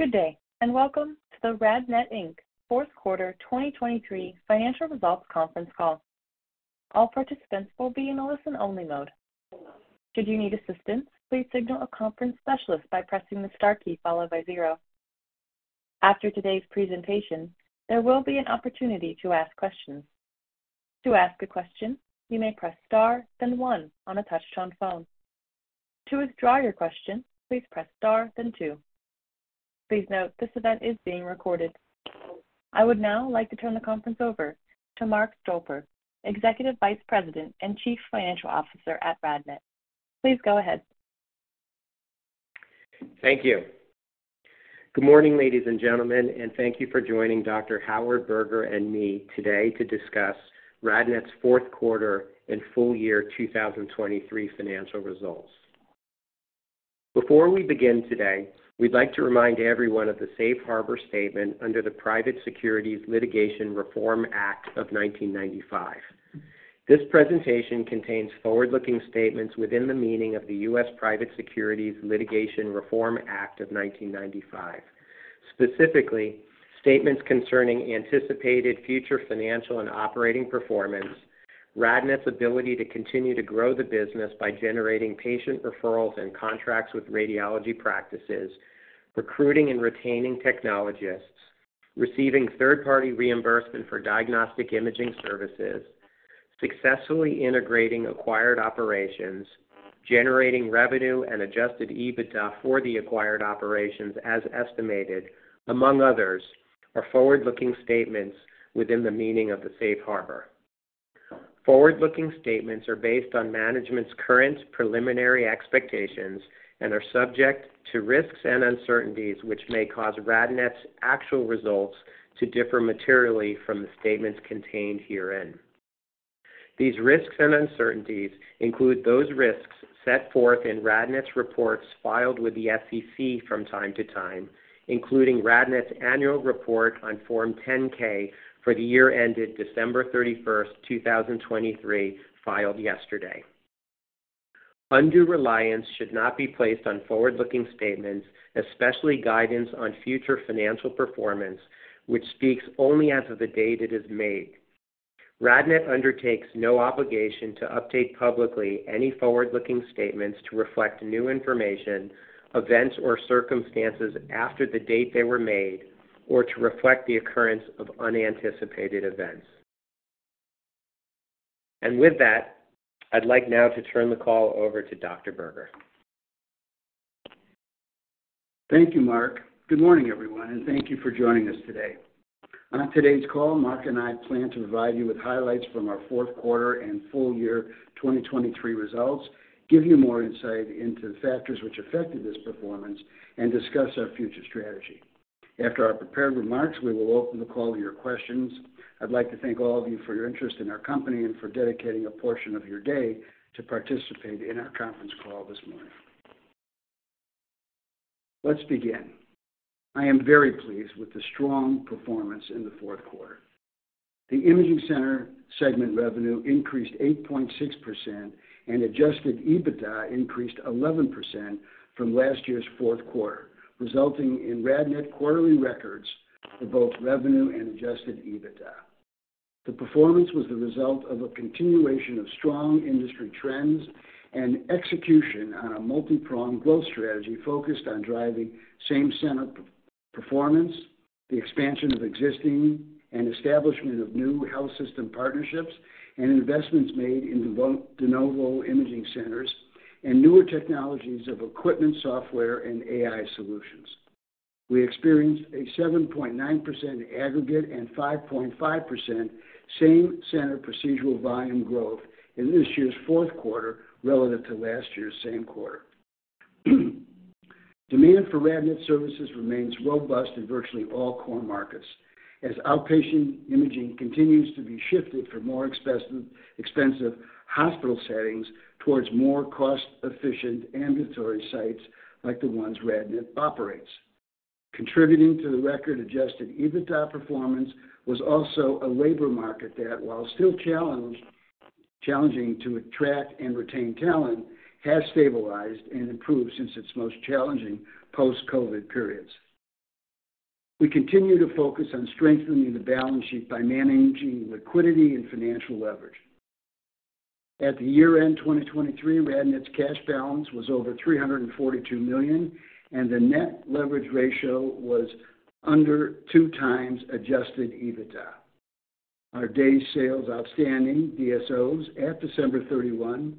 Good day and welcome to the RadNet Inc. fourth quarter 2023 financial results conference call. All participants will be in a listen-only mode. Should you need assistance, please signal a conference specialist by pressing the star key followed by 0. After today's presentation, there will be an opportunity to ask questions. To ask a question, you may press star, then 1 on a touch-tone phone. To withdraw your question, please press star, then 2. Please note, this event is being recorded. I would now like to turn the conference over to Mark Stolper, Executive Vice President and Chief Financial Officer at RadNet. Please go ahead. Thank you. Good morning, ladies and gentlemen, and thank you for joining Dr. Howard Berger and me today to discuss RadNet's fourth quarter and full year 2023 financial results. Before we begin today, we'd like to remind everyone of the Safe Harbor Statement under the Private Securities Litigation Reform Act of 1995. This presentation contains forward-looking statements within the meaning of the U.S. Private Securities Litigation Reform Act of 1995. Specifically, statements concerning anticipated future financial and operating performance, RadNet's ability to continue to grow the business by generating patient referrals and contracts with radiology practices, recruiting and retaining technologists, receiving third-party reimbursement for diagnostic imaging services, successfully integrating acquired operations, generating revenue and Adjusted EBITDA for the acquired operations as estimated, among others, are forward-looking statements within the meaning of the Safe Harbor. Forward-looking statements are based on management's current preliminary expectations and are subject to risks and uncertainties which may cause RadNet's actual results to differ materially from the statements contained herein. These risks and uncertainties include those risks set forth in RadNet's reports filed with the SEC from time to time, including RadNet's annual report on Form 10-K for the year ended December 31, 2023, filed yesterday. Undue reliance should not be placed on forward-looking statements, especially guidance on future financial performance, which speaks only as of the date it is made. RadNet undertakes no obligation to update publicly any forward-looking statements to reflect new information, events, or circumstances after the date they were made, or to reflect the occurrence of unanticipated events. And with that, I'd like now to turn the call over to Dr. Berger. Thank you, Mark. Good morning, everyone, and thank you for joining us today. On today's call, Mark and I plan to provide you with highlights from our fourth quarter and full year 2023 results, give you more insight into the factors which affected this performance, and discuss our future strategy. After our prepared remarks, we will open the call to your questions. I'd like to thank all of you for your interest in our company and for dedicating a portion of your day to participate in our conference call this morning. Let's begin. I am very pleased with the strong performance in the fourth quarter. The imaging center segment revenue increased 8.6% and adjusted EBITDA increased 11% from last year's fourth quarter, resulting in RadNet quarterly records for both revenue and adjusted EBITDA. The performance was the result of a continuation of strong industry trends and execution on a multi-pronged growth strategy focused on driving same-center performance, the expansion of existing and establishment of new health system partnerships, and investments made in de novo imaging centers and newer technologies of equipment, software, and AI solutions. We experienced a 7.9% aggregate and 5.5% same-center procedural volume growth in this year's fourth quarter relative to last year's same quarter. Demand for RadNet services remains robust in virtually all core markets, as outpatient imaging continues to be shifted from more expensive hospital settings towards more cost-efficient ambulatory sites like the ones RadNet operates. Contributing to the record Adjusted EBITDA performance was also a labor market that, while still challenging to attract and retain talent, has stabilized and improved since its most challenging post-COVID periods. We continue to focus on strengthening the balance sheet by managing liquidity and financial leverage. At the year-end 2023, RadNet's cash balance was over $342 million, and the net leverage ratio was under 2x Adjusted EBITDA. Our Days Sales Outstanding DSOs at December 31,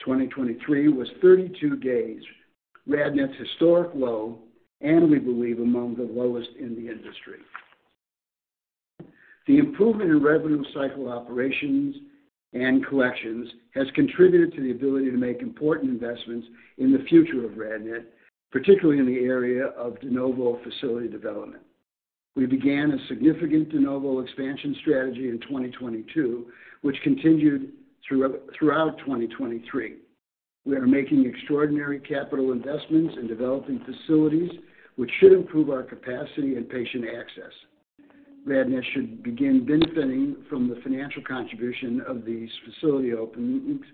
2023, was 32 days, RadNet's historic low, and we believe among the lowest in the industry. The improvement in revenue cycle operations and collections has contributed to the ability to make important investments in the future of RadNet, particularly in the area of de novo facility development. We began a significant de novo expansion strategy in 2022, which continued throughout 2023. We are making extraordinary capital investments in developing facilities which should improve our capacity and patient access. RadNet should begin benefiting from the financial contribution of these facility openings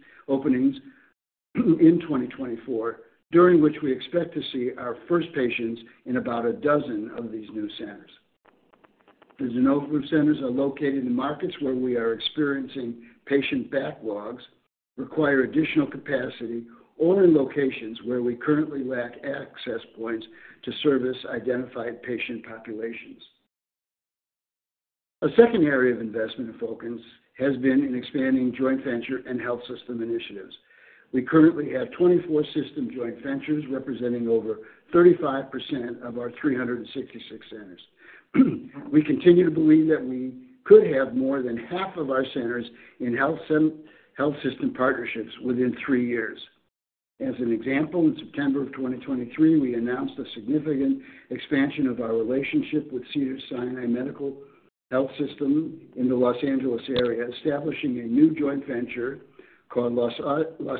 in 2024, during which we expect to see our first patients in about a dozen of these new centers. The de novo centers are located in markets where we are experiencing patient backlogs, require additional capacity, or in locations where we currently lack access points to service identified patient populations. A second area of investment of focus has been in expanding joint venture and health system initiatives. We currently have 24 system joint ventures representing over 35% of our 366 centers. We continue to believe that we could have more than half of our centers in health system partnerships within three years. As an example, in September of 2023, we announced a significant expansion of our relationship with Cedars-Sinai Medical Health System in the Los Angeles area, establishing a new joint venture called Los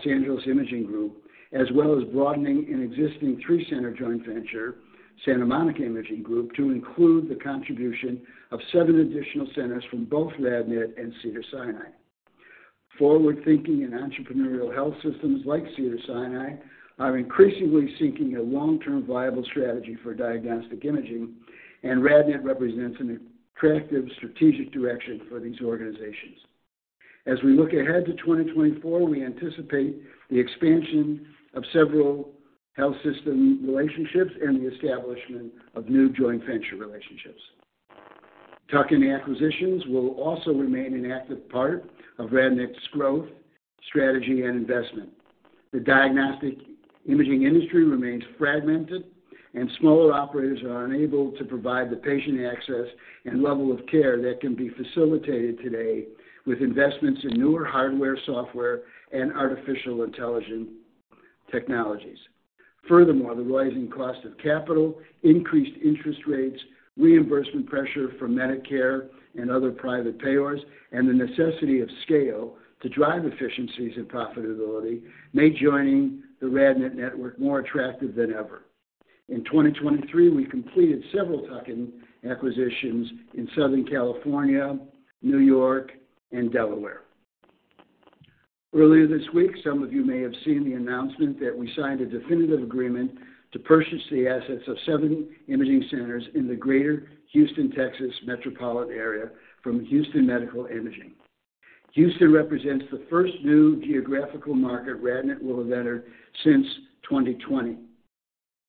Angeles Imaging Group, as well as broadening an existing three-center joint venture, Santa Monica Imaging Group, to include the contribution of seven additional centers from both RadNet and Cedars-Sinai. Forward-thinking and entrepreneurial health systems like Cedars-Sinai are increasingly seeking a long-term viable strategy for diagnostic imaging, and RadNet represents an attractive strategic direction for these organizations. As we look ahead to 2024, we anticipate the expansion of several health system relationships and the establishment of new joint venture relationships. Tuck-in acquisitions will also remain an active part of RadNet's growth strategy and investment. The diagnostic imaging industry remains fragmented, and smaller operators are unable to provide the patient access and level of care that can be facilitated today with investments in newer hardware, software, and artificial intelligence technologies. Furthermore, the rising cost of capital, increased interest rates, reimbursement pressure from Medicare and other private payers, and the necessity of scale to drive efficiencies and profitability make joining the RadNet network more attractive than ever. In 2023, we completed several tuck-in acquisitions in Southern California, New York, and Delaware. Earlier this week, some of you may have seen the announcement that we signed a definitive agreement to purchase the assets of seven imaging centers in the greater Houston, Texas, metropolitan area from Houston Medical Imaging. Houston represents the first new geographical market RadNet will have entered since 2020.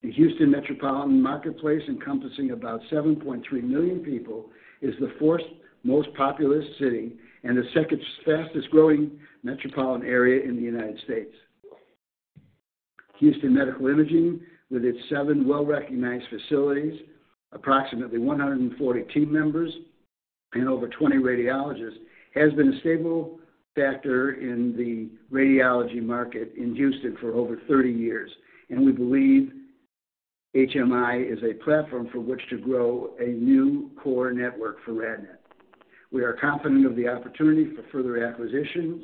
The Houston metropolitan marketplace, encompassing about 7.3 million people, is the fourth most populous city and the second fastest-growing metropolitan area in the United States. Houston Medical Imaging, with its seven well-recognized facilities, approximately 140 team members, and over 20 radiologists, has been a stable factor in the radiology market in Houston for over 30 years, and we believe HMI is a platform for which to grow a new core network for RadNet. We are confident of the opportunity for further acquisitions,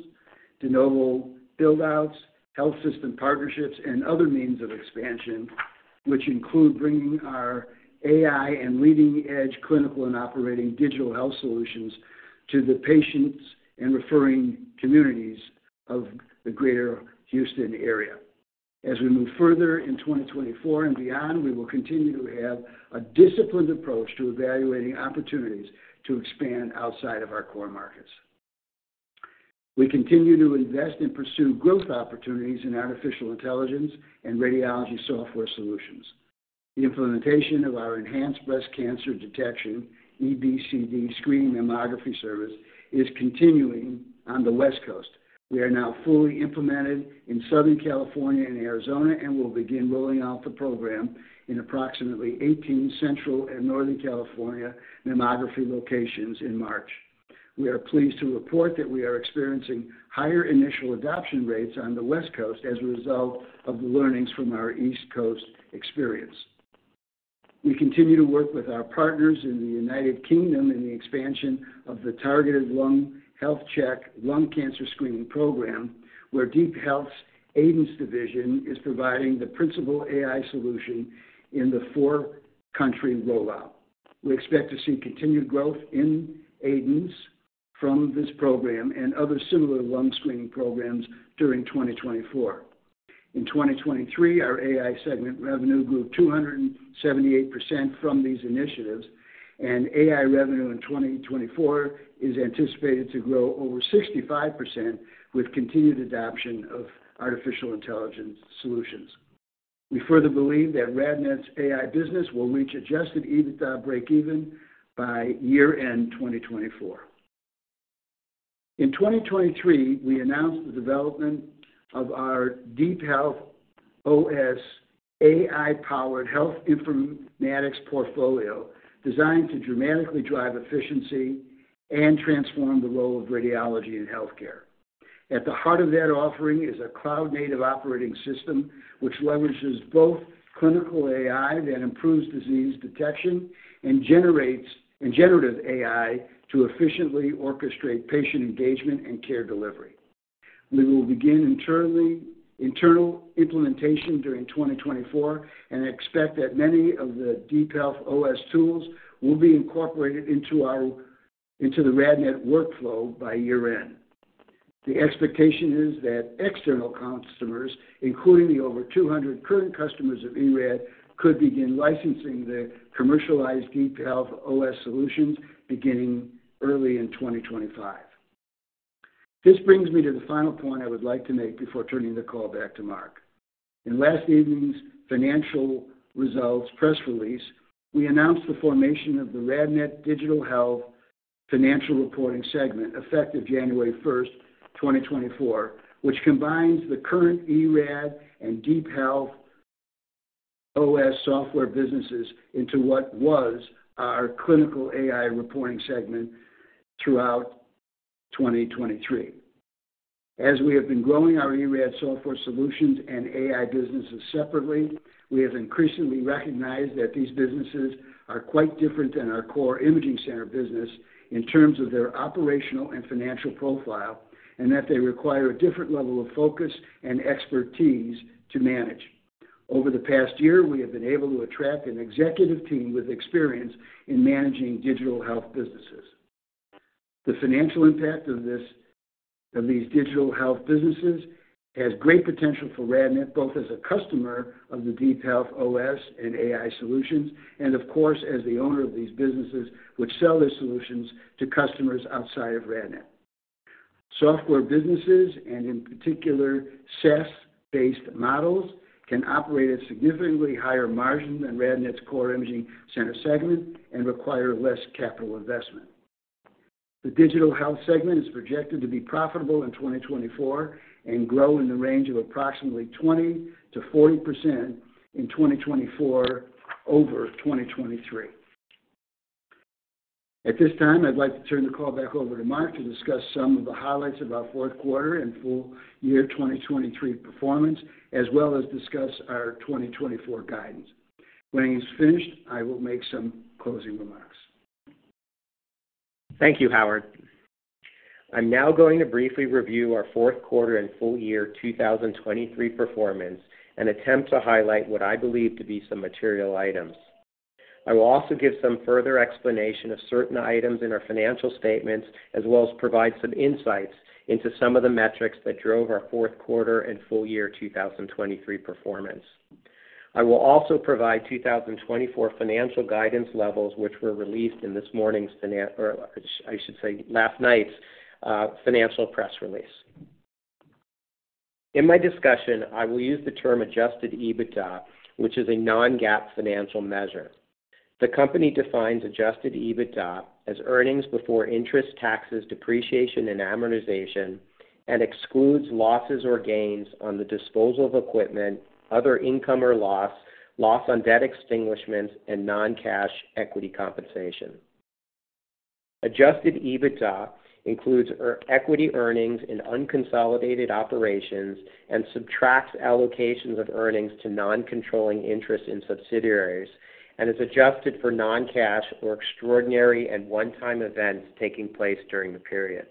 de novo buildouts, health system partnerships, and other means of expansion, which include bringing our AI and leading-edge clinical and operating digital health solutions to the patients and referring communities of the greater Houston area. As we move further in 2024 and beyond, we will continue to have a disciplined approach to evaluating opportunities to expand outside of our core marketsa We continue to invest and pursue growth opportunities in artificial intelligence and radiology software solutions. The implementation of our enhanced breast cancer detection, EBCD screening mammography service, is continuing on the West Coast. We are now fully implemented in Southern California and Arizona and will begin rolling out the program in approximately 18 Central and Northern California mammography locations in March. We are pleased to report that we are experiencing higher initial adoption rates on the West Coast as a result of the learnings from our East Coast experience. We continue to work with our partners in the United Kingdom in the expansion of the targeted lung health check lung cancer screening program, where DeepHealth's Aidence division is providing the principal AI solution in the four-country rollout. We expect to see continued growth in Aidence from this program and other similar lung screening programs during 2024. In 2023, our AI segment revenue grew 278% from these initiatives, and AI revenue in 2024 is anticipated to grow over 65% with continued adoption of artificial intelligence solutions. We further believe that RadNet's AI business will reach Adjusted EBITDA break-even by year-end 2024. In 2023, we announced the development of our DeepHealth OS AI-powered health informatics portfolio designed to dramatically drive efficiency and transform the role of radiology in health care. At the heart of that offering is a cloud-native operating system which leverages both clinical AI that improves disease detection and generative AI to efficiently orchestrate patient engagement and care delivery. We will begin internal implementation during 2024 and expect that many of the DeepHealth OS tools will be incorporated into the RadNet workflow by year-end. The expectation is that external customers, including the over 200 current customers of eRAD, could begin licensing the commercialized DeepHealth OS solutions beginning early in 2025. This brings me to the final point I would like to make before turning the call back to Mark. In last evening's financial results press release, we announced the formation of the RadNet Digital Health Financial Reporting Segment effective January 1, 2024, which combines the current eRAD and DeepHealth OS software businesses into what was our clinical AI reporting segment throughout 2023. As we have been growing our eRAD software solutions and AI businesses separately, we have increasingly recognized that these businesses are quite different than our core imaging center business in terms of their operational and financial profile, and that they require a different level of focus and expertise to manage. Over the past year, we have been able to attract an executive team with experience in managing digital health businesses. The financial impact of these digital health businesses has great potential for RadNet both as a customer of the DeepHealth OS and AI solutions and, of course, as the owner of these businesses which sell their solutions to customers outside of RadNet. Software businesses, and in particular SaaS-based models, can operate at significantly higher margins than RadNet's core imaging center segment and require less capital investment. The digital health segment is projected to be profitable in 2024 and grow in the range of approximately 20%-40% in 2024 over 2023. At this time, I'd like to turn the call back over to Mark to discuss some of the highlights of our fourth quarter and full-year 2023 performance, as well as discuss our 2024 guidance. When he's finished, I will make some closing remarks. Thank you, Howard. I'm now going to briefly review our fourth quarter and full-year 2023 performance and attempt to highlight what I believe to be some material items. I will also give some further explanation of certain items in our financial statements as well as provide some insights into some of the metrics that drove our fourth quarter and full-year 2023 performance. I will also provide 2024 financial guidance levels which were released in this morning's, or I should say last night's, financial press release. In my discussion, I will use the term Adjusted EBITDA, which is a non-GAAP financial measure. The company defines Adjusted EBITDA as earnings before interest, taxes, depreciation, and amortization, and excludes losses or gains on the disposal of equipment, other income or loss, loss on debt extinguishments, and non-cash equity compensation. Adjusted EBITDA includes equity earnings in unconsolidated operations and subtracts allocations of earnings to non-controlling interest in subsidiaries, and is adjusted for non-cash or extraordinary and one-time events taking place during the period.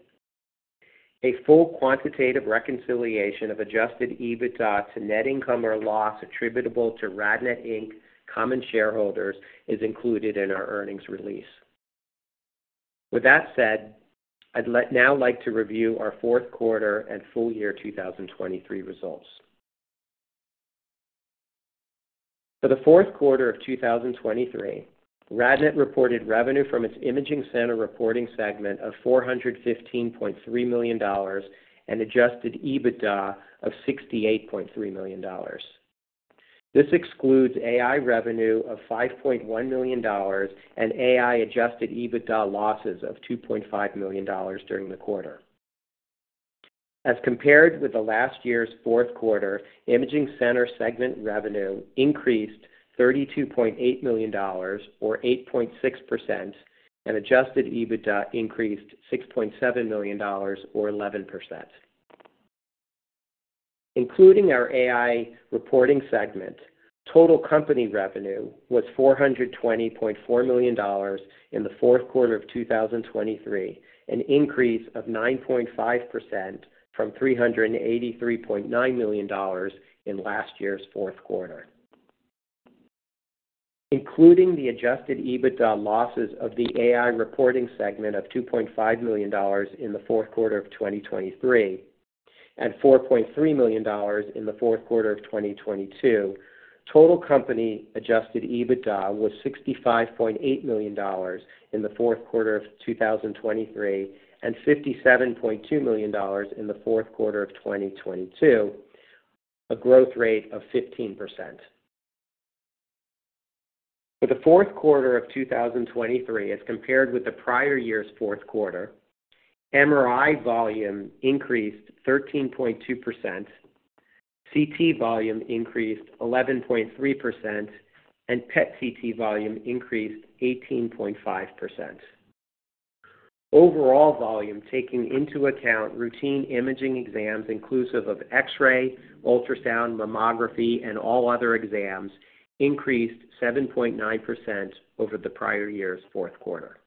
A full quantitative reconciliation of adjusted EBITDA to net income or loss attributable to RadNet, Inc., common shareholders is included in our earnings release. With that said, I'd now like to review our fourth quarter and full-year 2023 results. For the fourth quarter of 2023, RadNet reported revenue from its imaging center reporting segment of $415.3 million and adjusted EBITDA of $68.3 million. This excludes AI revenue of $5.1 million and AI adjusted EBITDA losses of $2.5 million during the quarter. As compared with the last year's fourth quarter, imaging center segment revenue increased $32.8 million or 8.6%, and adjusted EBITDA increased $6.7 million or 11%. Including our AI reporting segment, total company revenue was $420.4 million in the fourth quarter of 2023, an increase of 9.5% from $383.9 million in last year's fourth quarter. Including the Adjusted EBITDA losses of the AI reporting segment of $2.5 million in the fourth quarter of 2023 and $4.3 million in the fourth quarter of 2022, total company Adjusted EBITDA was $65.8 million in the fourth quarter of 2023 and $57.2 million in the fourth quarter of 2022, a growth rate of 15%. For the fourth quarter of 2023, as compared with the prior year's fourth quarter, MRI volume increased 13.2%, CT volume increased 11.3%, and PET/CT volume increased 18.5%. Overall volume, taking into account routine imaging exams inclusive of X-ray, ultrasound, mammography, and all other exams, increased 7.9% over the prior year's fourth quarter.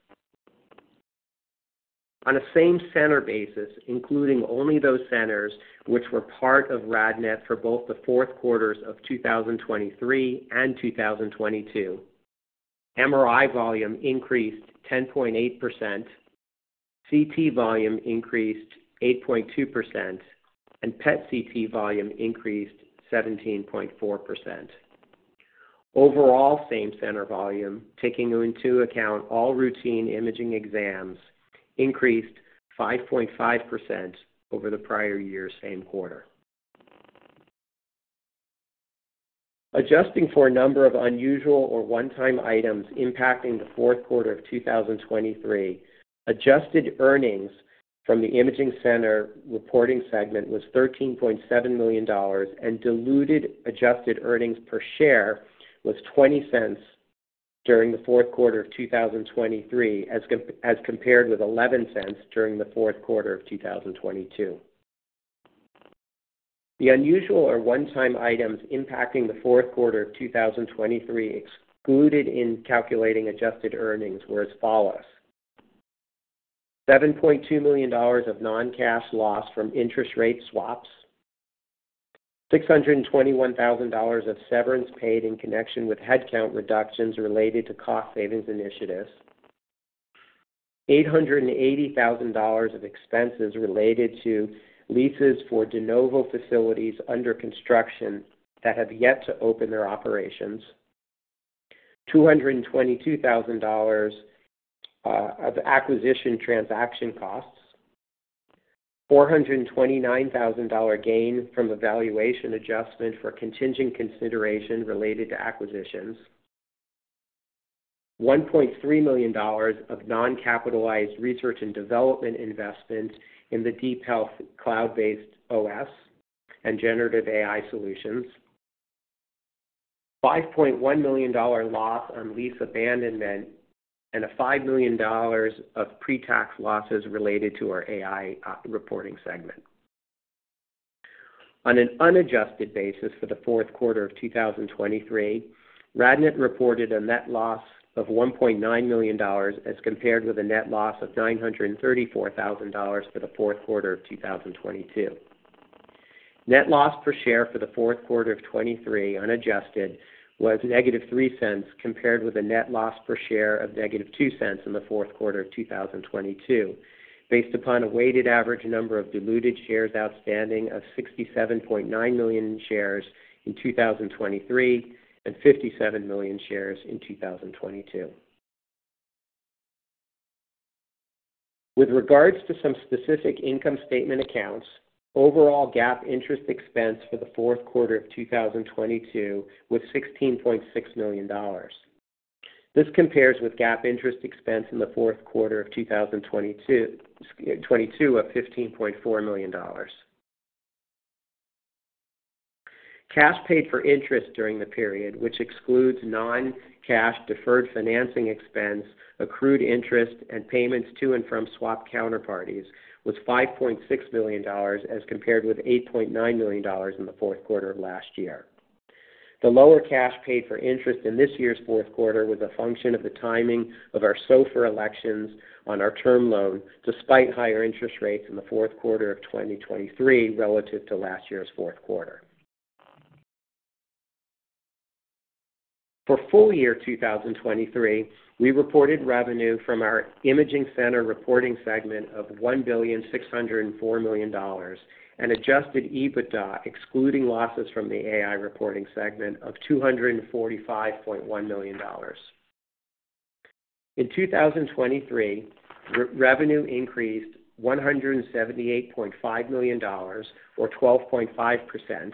On a same-center basis, including only those centers which were part of RadNet for both the fourth quarters of 2023 and 2022, MRI volume increased 10.8%, CT volume increased 8.2%, and PET/CT volume increased 17.4%. Overall same-center volume, taking into account all routine imaging exams, increased 5.5% over the prior year's same quarter. Adjusting for a number of unusual or one-time items impacting the fourth quarter of 2023, adjusted earnings from the imaging center reporting segment was $13.7 million, and diluted adjusted earnings per share was $0.20 during the fourth quarter of 2023 as compared with $0.11 during the fourth quarter of 2022. The unusual or one-time items impacting the fourth quarter of 2023 excluded in calculating adjusted earnings were as follows: $7.2 million of non-cash loss from interest rate swaps, $621,000 of severance paid in connection with headcount reductions related to cost savings initiatives, $880,000 of expenses related to leases for de novo facilities under construction that have yet to open their operations, $222,000 of acquisition transaction costs, $429,000 gain from evaluation adjustment for contingent consideration related to acquisitions, $1.3 million of non-capitalized research and development investment in the Deep Health cloud-based OS and generative AI solutions, $5.1 million loss on lease abandonment, and $5 million of pre-tax losses related to our AI reporting segment. On an unadjusted basis for the fourth quarter of 2023, RadNet reported a net loss of $1.9 million as compared with a net loss of $934,000 for the fourth quarter of 2022. Net loss per share for the fourth quarter of 2023 unadjusted was negative $0.03 compared with a net loss per share of negative $0.02 in the fourth quarter of 2022 based upon a weighted average number of diluted shares outstanding of 67.9 million shares in 2023 and 57 million shares in 2022. With regards to some specific income statement accounts, overall GAAP interest expense for the fourth quarter of 2022 was $16.6 million. This compares with GAAP interest expense in the fourth quarter of 2022 of $15.4 million. Cash paid for interest during the period, which excludes non-cash deferred financing expense, accrued interest, and payments to and from swap counterparties, was $5.6 million as compared with $8.9 million in the fourth quarter of last year. The lower cash paid for interest in this year's fourth quarter was a function of the timing of our SOFR elections on our term loan despite higher interest rates in the fourth quarter of 2023 relative to last year's fourth quarter. For full-year 2023, we reported revenue from our imaging center reporting segment of $1,604,000,000 and Adjusted EBITDA excluding losses from the AI reporting segment of $245.1 million. In 2023, revenue increased $178.5 million or 12.5%,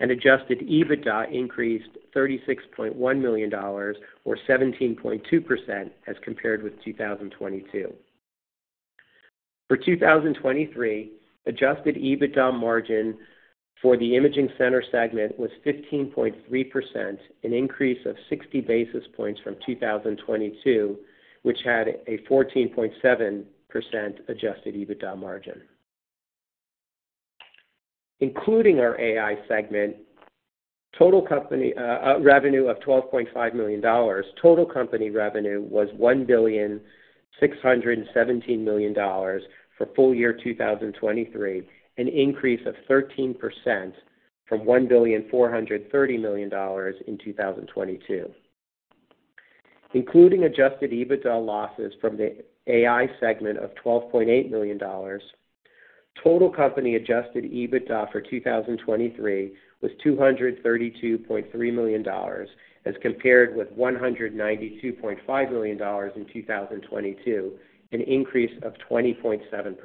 and Adjusted EBITDA increased $36.1 million or 17.2% as compared with 2022. For 2023, Adjusted EBITDA margin for the imaging center segment was 15.3%, an increase of 60 basis points from 2022, which had a 14.7% Adjusted EBITDA margin. Including our AI segment, total company revenue of $12.5 million, total company revenue was $1,617,000,000 for full-year 2023, an increase of 13% from $1,430,000,000 in 2022. Including Adjusted EBITDA losses from the AI segment of $12.8 million, total company Adjusted EBITDA for 2023 was $232.3 million as compared with $192.5 million in 2022, an increase of 20.7%.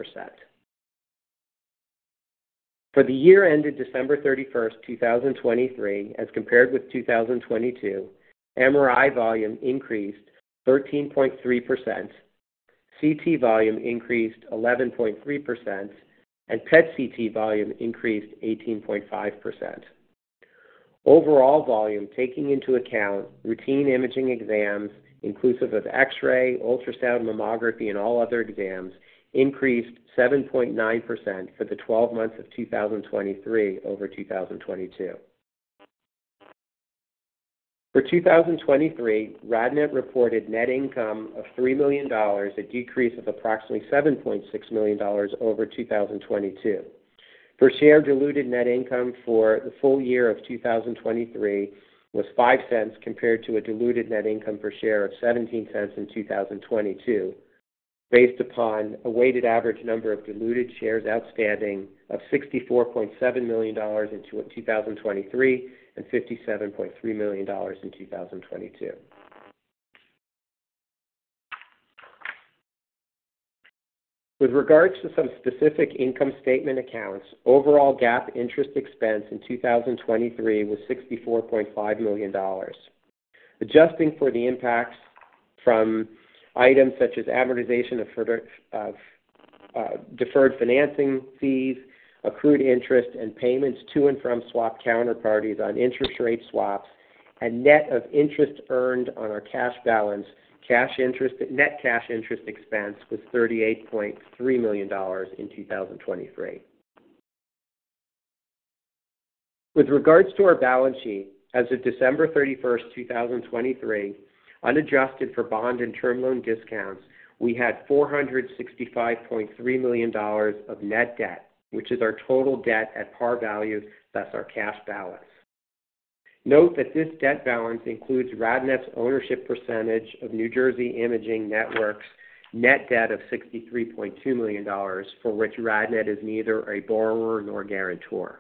For the year ended December 31, 2023, as compared with 2022, MRI volume increased 13.3%, CT volume increased 11.3%, and PET/CT volume increased 18.5%. Overall volume, taking into account routine imaging exams inclusive of X-ray, ultrasound, mammography, and all other exams, increased 7.9% for the 12 months of 2023 over 2022. For 2023, RadNet reported net income of $3 million, a decrease of approximately $7.6 million over 2022. Per share diluted net income for the full year of 2023 was $0.05 compared to a diluted net income per share of $0.17 in 2022 based upon a weighted average number of diluted shares outstanding of 64.7 million in 2023 and 57.3 million in 2022. With regards to some specific income statement accounts, overall GAAP interest expense in 2023 was $64.5 million, adjusting for the impacts from items such as amortization of deferred financing fees, accrued interest, and payments to and from swap counterparties on interest rate swaps, and net of interest earned on our cash balance, net cash interest expense was $38.3 million in 2023. With regards to our balance sheet, as of December 31, 2023, unadjusted for bond and term loan discounts, we had $465.3 million of net debt, which is our total debt at par value, thus our cash balance. Note that this debt balance includes RadNet's ownership percentage of New Jersey Imaging Network's net debt of $63.2 million for which RadNet is neither a borrower nor guarantor.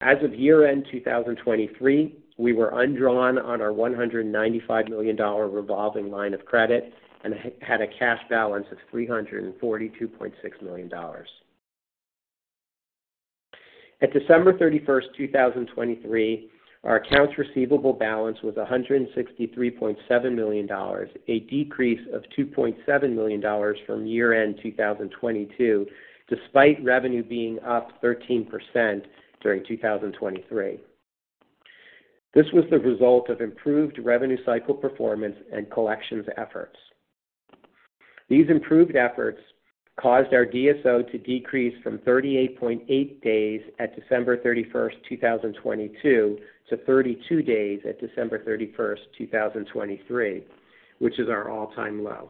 As of year-end 2023, we were undrawn on our $195 million revolving line of credit and had a cash balance of $342.6 million. At December 31, 2023, our accounts receivable balance was $163.7 million, a decrease of $2.7 million from year-end 2022 despite revenue being up 13% during 2023. This was the result of improved revenue cycle performance and collections efforts. These improved efforts caused our DSO to decrease from 38.8 days at December 31, 2022 to 32 days at December 31, 2023, which is our all-time low.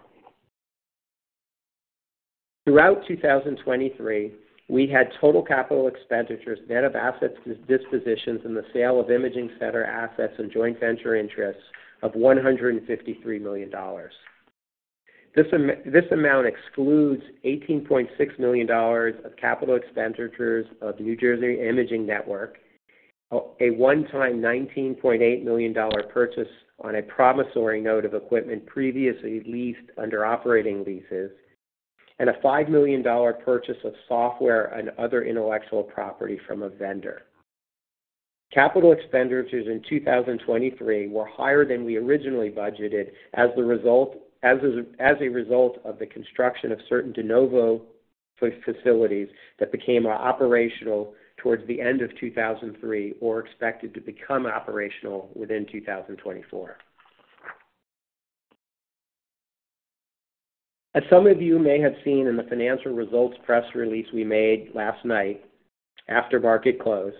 Throughout 2023, we had total capital expenditures, net of asset dispositions, and the sale of imaging center assets and joint venture interests of $153 million. This amount excludes $18.6 million of capital expenditures of New Jersey Imaging Network, a one-time $19.8 million purchase on a promissory note of equipment previously leased under operating leases, and a $5 million purchase of software and other intellectual property from a vendor. Capital expenditures in 2023 were higher than we originally budgeted as a result of the construction of certain de novo facilities that became operational towards the end of 2023 or expected to become operational within 2024. As some of you may have seen in the financial results press release we made last night after market close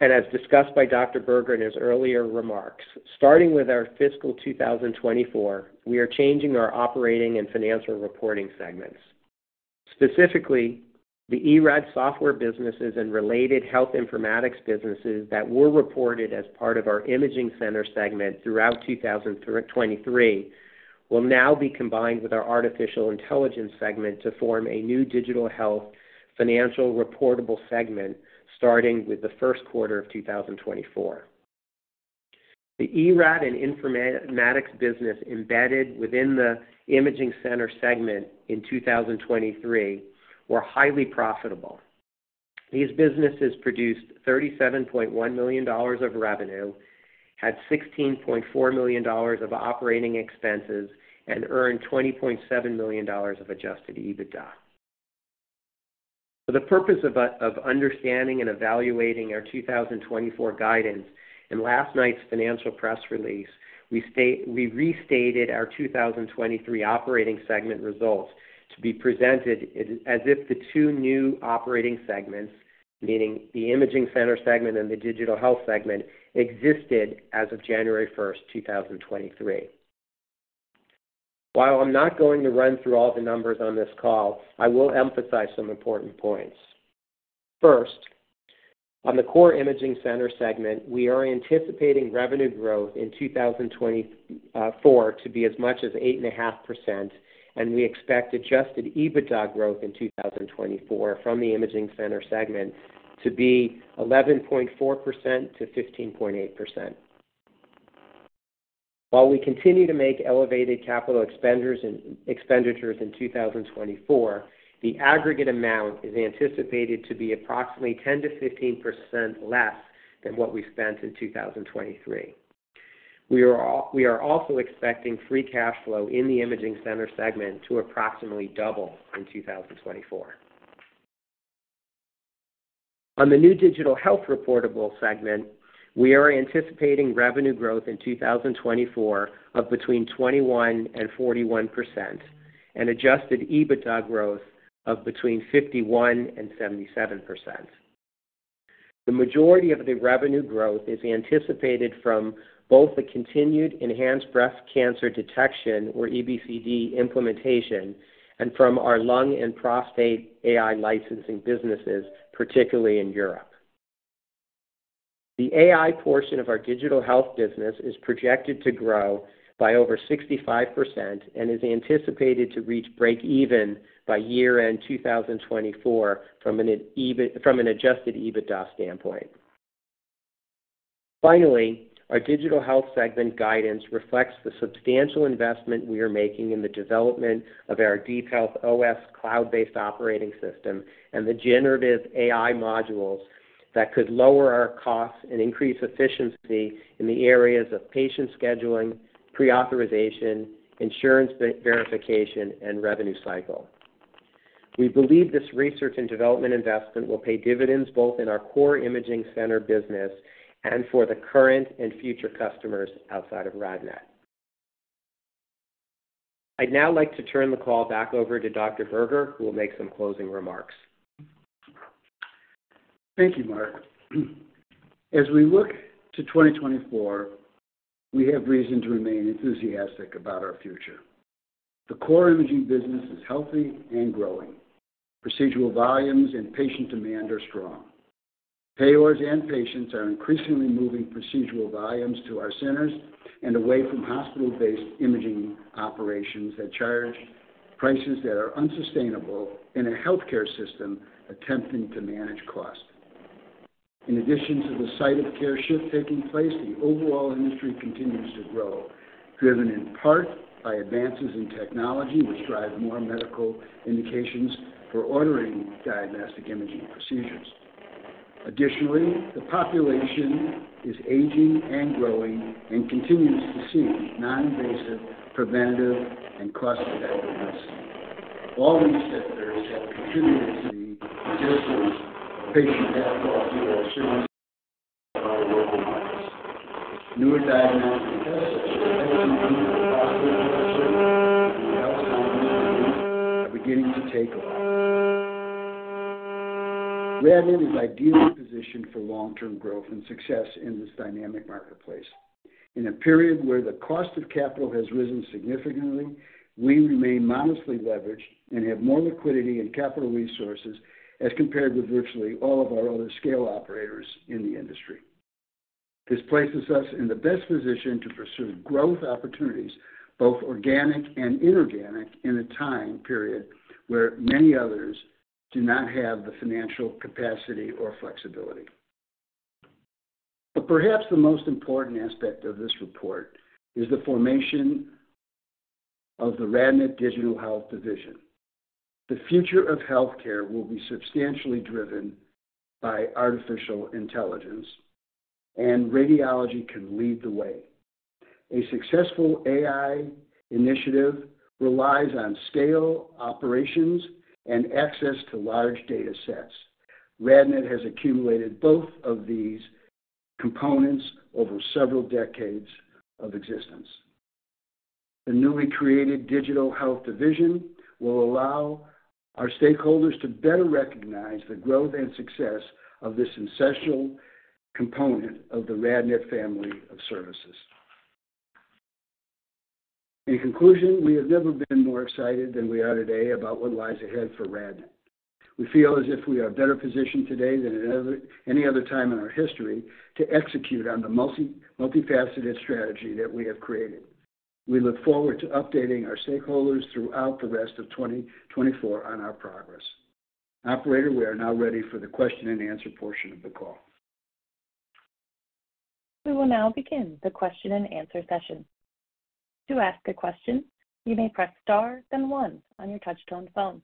and as discussed by Dr. Berger in his earlier remarks, starting with our fiscal 2024, we are changing our operating and financial reporting segments. Specifically, the eRAD software businesses and related health informatics businesses that were reported as part of our imaging center segment throughout 2023 will now be combined with our artificial intelligence segment to form a new digital health financial reportable segment starting with the first quarter of 2024. The eRAD and informatics business embedded within the imaging center segment in 2023 were highly profitable. These businesses produced $37.1 million of revenue, had $16.4 million of operating expenses, and earned $20.7 million of Adjusted EBITDA. For the purpose of understanding and evaluating our 2024 guidance and last night's financial press release, we restated our 2023 operating segment results to be presented as if the two new operating segments, meaning the imaging center segment and the digital health segment, existed as of January 1, 2023. While I'm not going to run through all the numbers on this call, I will emphasize some important points. First, on the core imaging center segment, we are anticipating revenue growth in 2024 to be as much as 8.5%, and we expect Adjusted EBITDA growth in 2024 from the imaging center segment to be 11.4%-15.8%. While we continue to make elevated capital expenditures in 2024, the aggregate amount is anticipated to be approximately 10%-15% less than what we spent in 2023. We are also expecting free cash flow in the imaging center segment to approximately double in 2024. On the new digital health reportable segment, we are anticipating revenue growth in 2024 of between 21%-41% and Adjusted EBITDA growth of between 51%-77%. The majority of the revenue growth is anticipated from both the continued enhanced breast cancer detection or EBCD implementation and from our lung and prostate AI licensing businesses, particularly in Europe. The AI portion of our digital health business is projected to grow by over 65% and is anticipated to reach break-even by year-end 2024 from an Adjusted EBITDA standpoint. Finally, our digital health segment guidance reflects the substantial investment we are making in the development of our Deep Health OS cloud-based operating system and the generative AI modules that could lower our costs and increase efficiency in the areas of patient scheduling, pre-authorization, insurance verification, and revenue cycle. We believe this research and development investment will pay dividends both in our core imaging center business and for the current and future customers outside of RadNet. I'd now like to turn the call back over to Dr. Berger, who will make some closing remarks. Thank you, Mark. As we look to 2024, we have reason to remain enthusiastic about our future. The core imaging business is healthy and growing. Procedural volumes and patient demand are strong. Payors and patients are increasingly moving procedural volumes to our centers and away from hospital-based imaging operations that charge prices that are unsustainable in a healthcare system attempting to manage cost. In addition to the site-of-care shift taking place, the overall industry continues to grow, driven in part by advances in technology which drive more medical indications for ordering diagnostic imaging procedures. Additionally, the population is aging and growing and continues to seek non-invasive, preventive, and cost-effective medicine. All these factors have contributed to the existence of patient debt loss due to our services in the local markets. Newer diagnostic assets such as PET/CT for prostate cancer and Alzheimer's disease are beginning to take off. RadNet is ideally positioned for long-term growth and success in this dynamic marketplace. In a period where the cost of capital has risen significantly, we remain modestly leveraged and have more liquidity and capital resources as compared with virtually all of our other scale operators in the industry. This places us in the best position to pursue growth opportunities, both organic and inorganic, in a time period where many others do not have the financial capacity or flexibility. But perhaps the most important aspect of this report is the formation of the RadNet Digital Health Division. The future of healthcare will be substantially driven by artificial intelligence, and radiology can lead the way. A successful AI initiative relies on scale, operations, and access to large data sets. RadNet has accumulated both of these components over several decades of existence. The newly created Digital Health Division will allow our stakeholders to better recognize the growth and success of this essential component of the RadNet family of services. In conclusion, we have never been more excited than we are today about what lies ahead for RadNet. We feel as if we are better positioned today than at any other time in our history to execute on the multifaceted strategy that we have created. We look forward to updating our stakeholders throughout the rest of 2024 on our progress. Operator, we are now ready for the question-and-answer portion of the call. We will now begin the question-and-answer session. "To ask a question, you may press star, then one", on your touchscreen phone.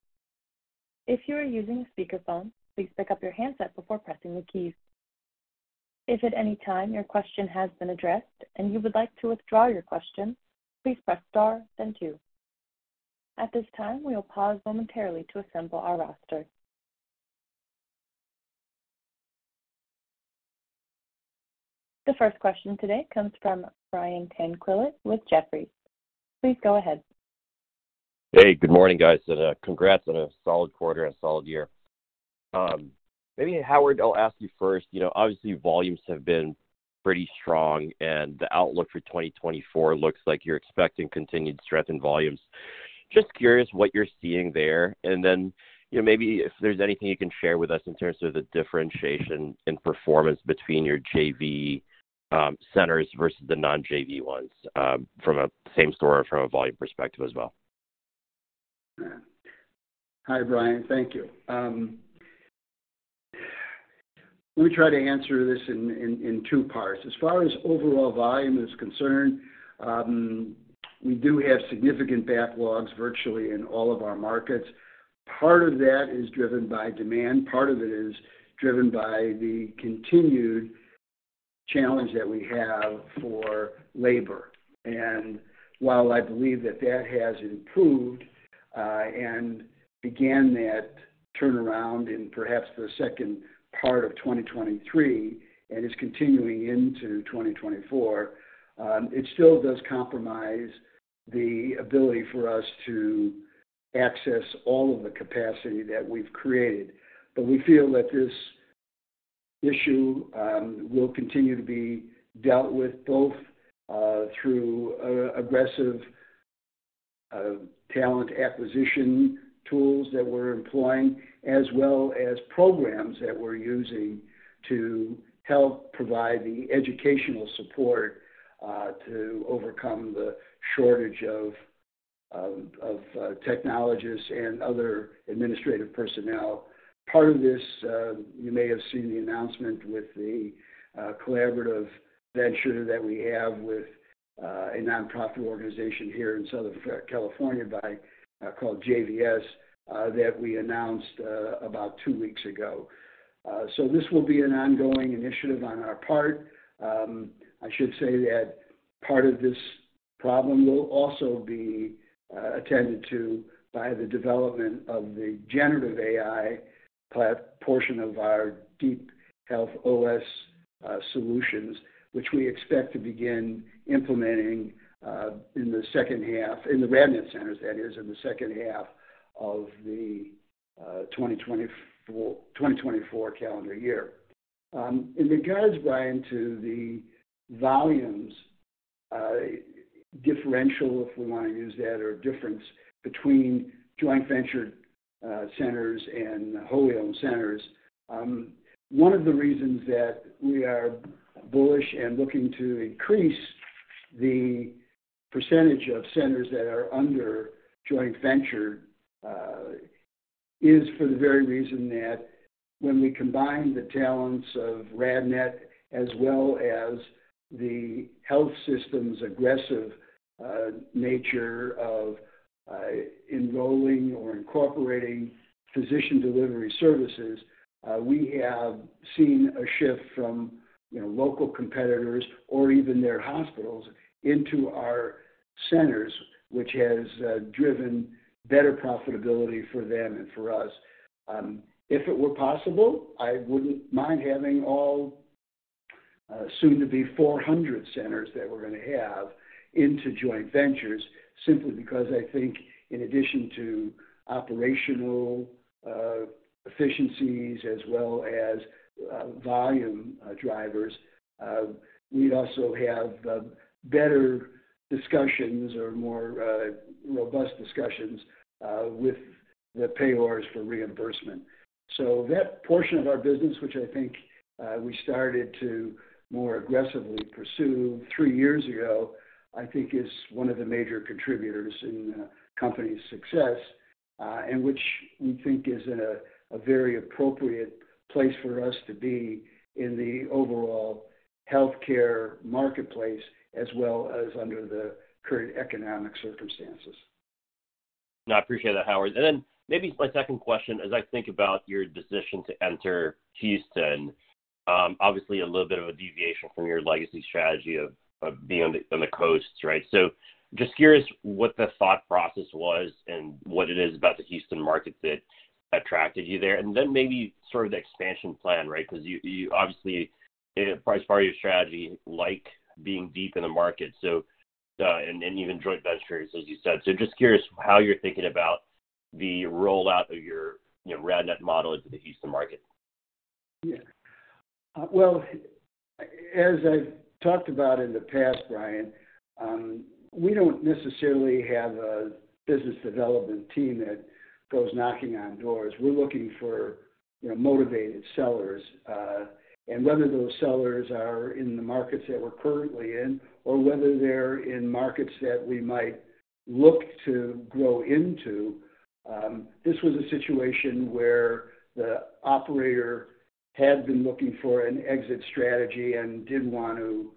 If you are using a speakerphone, please pick up your handset before pressing the keys. If at any time your question has been addressed and you would like to withdraw your question, "please press star, then two". At this time, we will pause momentarily to assemble our roster. The first question today comes from Brian Tanquilut with Jefferies. Please go ahead. Hey, good morning, guys. And congrats on a solid quarter and a solid year. Maybe, Howard, I'll ask you first. Obviously, volumes have been pretty strong, and the outlook for 2024 looks like you're expecting continued strength in volumes. Just curious what you're seeing there, and then maybe if there's anything you can share with us in terms of the differentiation in performance between your JV centers versus the non-JV ones from a same-store or from a volume perspective as well. Hi, Brian. Thank you. Let me try to answer this in two parts. As far as overall volume is concerned, we do have significant backlogs virtually in all of our markets. Part of that is driven by demand. Part of it is driven by the continued challenge that we have for labor. While I believe that that has improved and began that turnaround in perhaps the second part of 2023 and is continuing into 2024, it still does compromise the ability for us to access all of the capacity that we've created. We feel that this issue will continue to be dealt with both through aggressive talent acquisition tools that we're employing as well as programs that we're using to help provide the educational support to overcome the shortage of technologists and other administrative personnel. Part of this, you may have seen the announcement with the collaborative venture that we have with a nonprofit organization here in Southern California called JVS that we announced about two weeks ago. So this will be an ongoing initiative on our part. I should say that part of this problem will also be attended to by the development of the generative AI portion of our Deep Health OS solutions, which we expect to begin implementing in the second half in the RadNet centers, that is, in the second half of the 2024 calendar year. In regards, Brian, to the volumes differential, if we want to use that, or difference between joint venture centers and whole-owned centers, one of the reasons that we are bullish and looking to increase the percentage of centers that are under joint venture is for the very reason that when we combine the talents of RadNet as well as the health system's aggressive nature of enrolling or incorporating physician delivery services, we have seen a shift from local competitors or even their hospitals into our centers, which has driven better profitability for them and for us. If it were possible, I wouldn't mind having all soon-to-be 400 centers that we're going to have into joint ventures simply because I think, in addition to operational efficiencies as well as volume drivers, we'd also have better discussions or more robust discussions with the payors for reimbursement. That portion of our business, which I think we started to more aggressively pursue three years ago, I think is one of the major contributors in the company's success and which we think is in a very appropriate place for us to be in the overall healthcare marketplace as well as under the current economic circumstances. No, I appreciate that, Howard. Then maybe my second question, as I think about your decision to enter Houston, obviously, a little bit of a deviation from your legacy strategy of being on the coasts, right? So just curious what the thought process was and what it is about the Houston market that attracted you there, and then maybe sort of the expansion plan, right? Because obviously, as part of your strategy, you like being deep in the market and even joint ventures, as you said. So just curious how you're thinking about the rollout of your RadNet model into the Houston market. Yeah. Well, as I've talked about in the past, Brian, we don't necessarily have a business development team that goes knocking on doors. We're looking for motivated sellers. And whether those sellers are in the markets that we're currently in or whether they're in markets that we might look to grow into, this was a situation where the operator had been looking for an exit strategy and didn't want to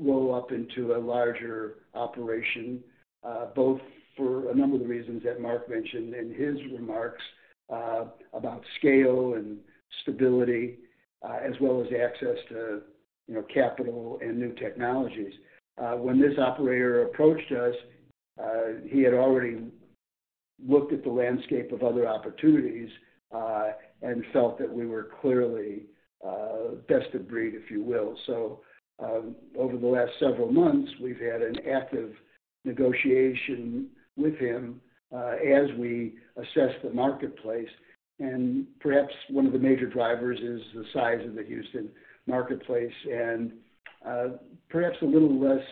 roll up into a larger operation, both for a number of the reasons that Mark mentioned in his remarks about scale and stability as well as access to capital and new technologies. When this operator approached us, he had already looked at the landscape of other opportunities and felt that we were clearly best of breed, if you will. So over the last several months, we've had an active negotiation with him as we assess the marketplace. Perhaps one of the major drivers is the size of the Houston marketplace and perhaps a little less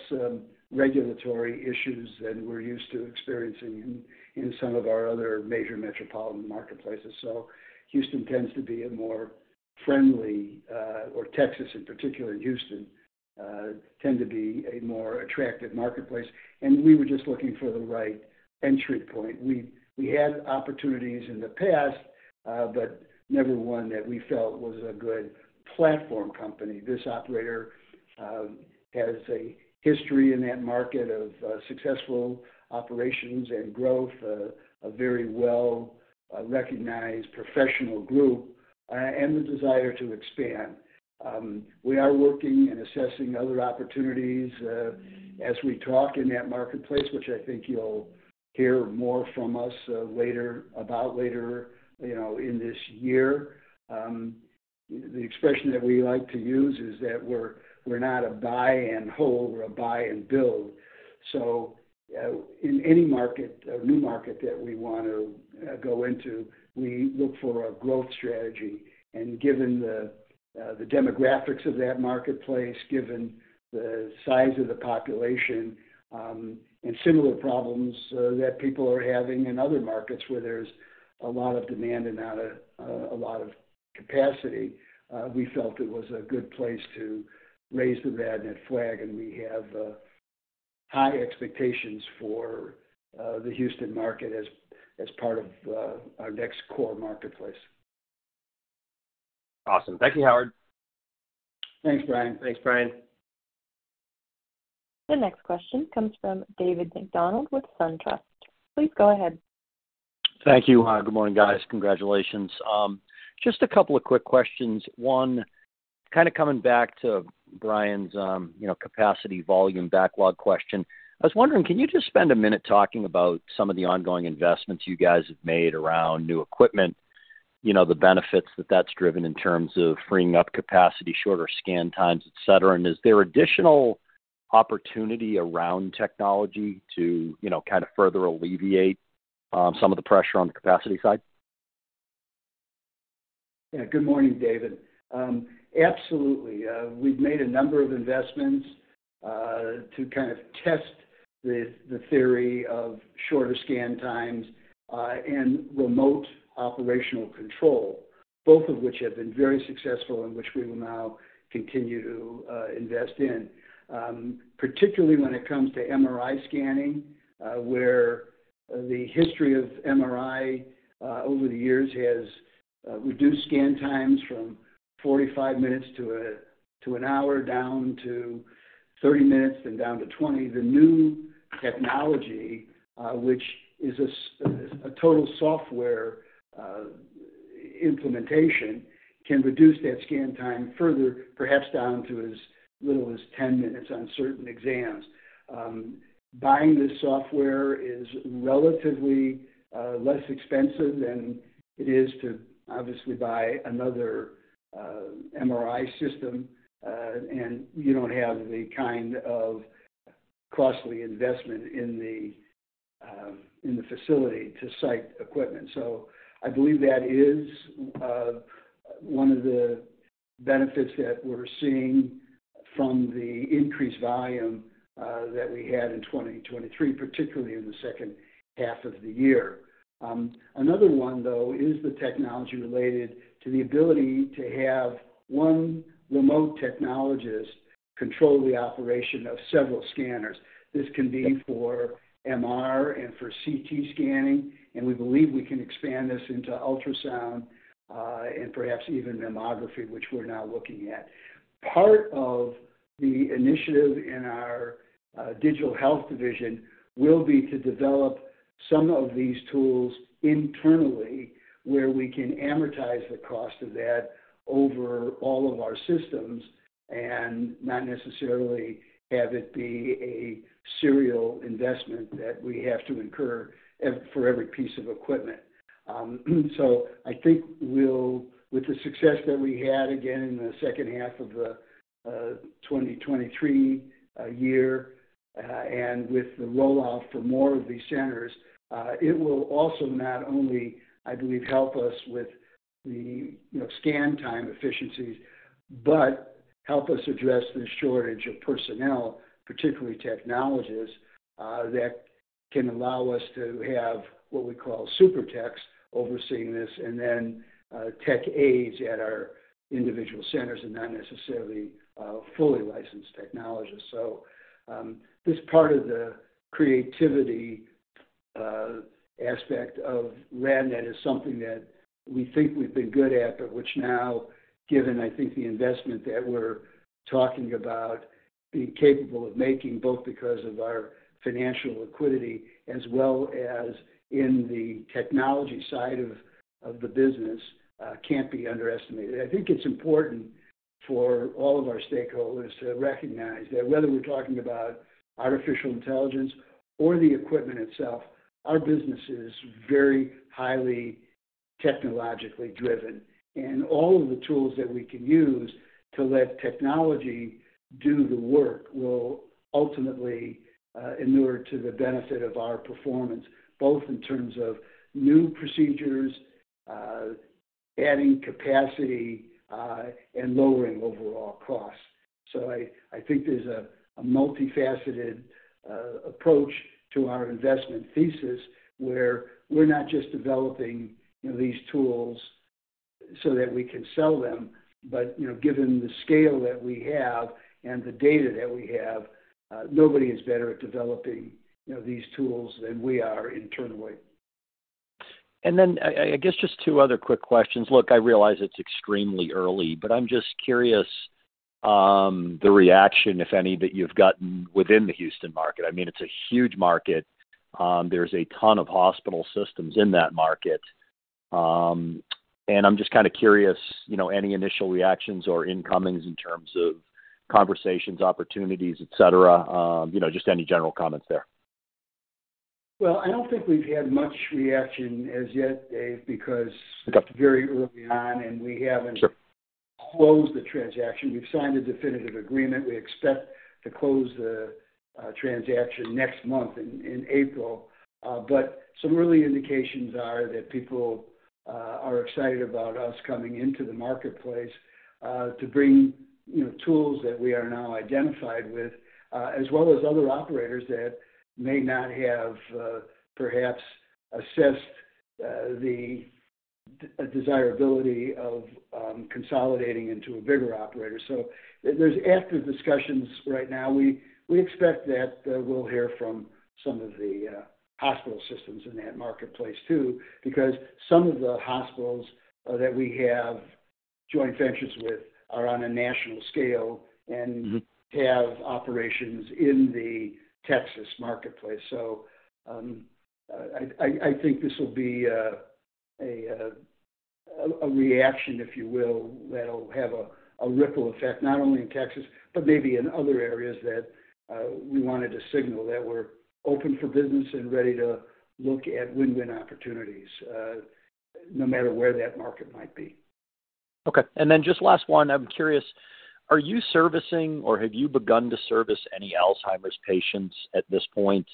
regulatory issues than we're used to experiencing in some of our other major metropolitan marketplaces. Houston tends to be a more friendly or Texas, in particular, and Houston tend to be a more attractive marketplace. We were just looking for the right entry point. We had opportunities in the past, but never one that we felt was a good platform company. This operator has a history in that market of successful operations and growth, a very well-recognized professional group, and the desire to expand. We are working and assessing other opportunities as we talk in that marketplace, which I think you'll hear more from us later about later in this year. The expression that we like to use is that we're not a buy-and-hold. We're a buy-and-build. So in any new market that we want to go into, we look for a growth strategy. And given the demographics of that marketplace, given the size of the population, and similar problems that people are having in other markets where there's a lot of demand and not a lot of capacity, we felt it was a good place to raise the RadNet flag. And we have high expectations for the Houston market as part of our next core marketplace. Awesome. Thank you, Howard. Thanks, Brian. Thanks, Brian. The next question comes from David MacDonald with SunTrust. Please go ahead. Thank you. Good morning, guys. Congratulations. Just a couple of quick questions. One, kind of coming back to Brian's capacity volume backlog question, I was wondering, can you just spend a minute talking about some of the ongoing investments you guys have made around new equipment, the benefits that that's driven in terms of freeing up capacity, shorter scan times, etc.? And is there additional opportunity around technology to kind of further alleviate some of the pressure on the capacity side? Yeah. Good morning, David. Absolutely. We've made a number of investments to kind of test the theory of shorter scan times and remote operational control, both of which have been very successful and which we will now continue to invest in, particularly when it comes to MRI scanning, where the history of MRI over the years has reduced scan times from 45 minutes to an hour, down to 30 minutes, then down to 20. The new technology, which is a total software implementation, can reduce that scan time further, perhaps down to as little as 10 minutes on certain exams. Buying this software is relatively less expensive than it is to obviously buy another MRI system, and you don't have the kind of costly investment in the facility to site equipment. So I believe that is one of the benefits that we're seeing from the increased volume that we had in 2023, particularly in the second half of the year. Another one, though, is the technology related to the ability to have one remote technologist control the operation of several scanners. This can be for MR and for CT scanning. And we believe we can expand this into ultrasound and perhaps even mammography, which we're now looking at. Part of the initiative in our digital health division will be to develop some of these tools internally where we can amortize the cost of that over all of our systems and not necessarily have it be a serial investment that we have to incur for every piece of equipment. So I think with the success that we had, again, in the second half of the 2023 year and with the rollout for more of these centers, it will also not only, I believe, help us with the scan time efficiencies but help us address the shortage of personnel, particularly technologists, that can allow us to have what we call super techs overseeing this and then tech aides at our individual centers and not necessarily fully licensed technologists. So this part of the creativity aspect of RadNet is something that we think we've been good at, but which now, given, I think, the investment that we're talking about, being capable of making both because of our financial liquidity as well as in the technology side of the business, can't be underestimated. I think it's important for all of our stakeholders to recognize that whether we're talking about artificial intelligence or the equipment itself, our business is very highly technologically driven. All of the tools that we can use to let technology do the work will ultimately inure to the benefit of our performance, both in terms of new procedures, adding capacity, and lowering overall costs. I think there's a multifaceted approach to our investment thesis where we're not just developing these tools so that we can sell them, but given the scale that we have and the data that we have, nobody is better at developing these tools than we are internally. And then I guess just two other quick questions. Look, I realize it's extremely early, but I'm just curious the reaction, if any, that you've gotten within the Houston market. I mean, it's a huge market. There's a ton of hospital systems in that market. And I'm just kind of curious, any initial reactions or incomings in terms of conversations, opportunities, etc.? Just any general comments there. Well, I don't think we've had much reaction as yet, Dave, because it's very early on, and we haven't closed the transaction. We've signed a definitive agreement. We expect to close the transaction next month in April. But some early indications are that people are excited about us coming into the marketplace to bring tools that we are now identified with as well as other operators that may not have perhaps assessed the desirability of consolidating into a bigger operator. So there's active discussions right now. We expect that we'll hear from some of the hospital systems in that marketplace too because some of the hospitals that we have joint ventures with are on a national scale and have operations in the Texas marketplace. I think this will be a reaction, if you will, that'll have a ripple effect not only in Texas but maybe in other areas that we wanted to signal that we're open for business and ready to look at win-win opportunities no matter where that market might be. Okay. And then just last one, I'm curious, are you servicing or have you begun to service any Alzheimer's patients at this point?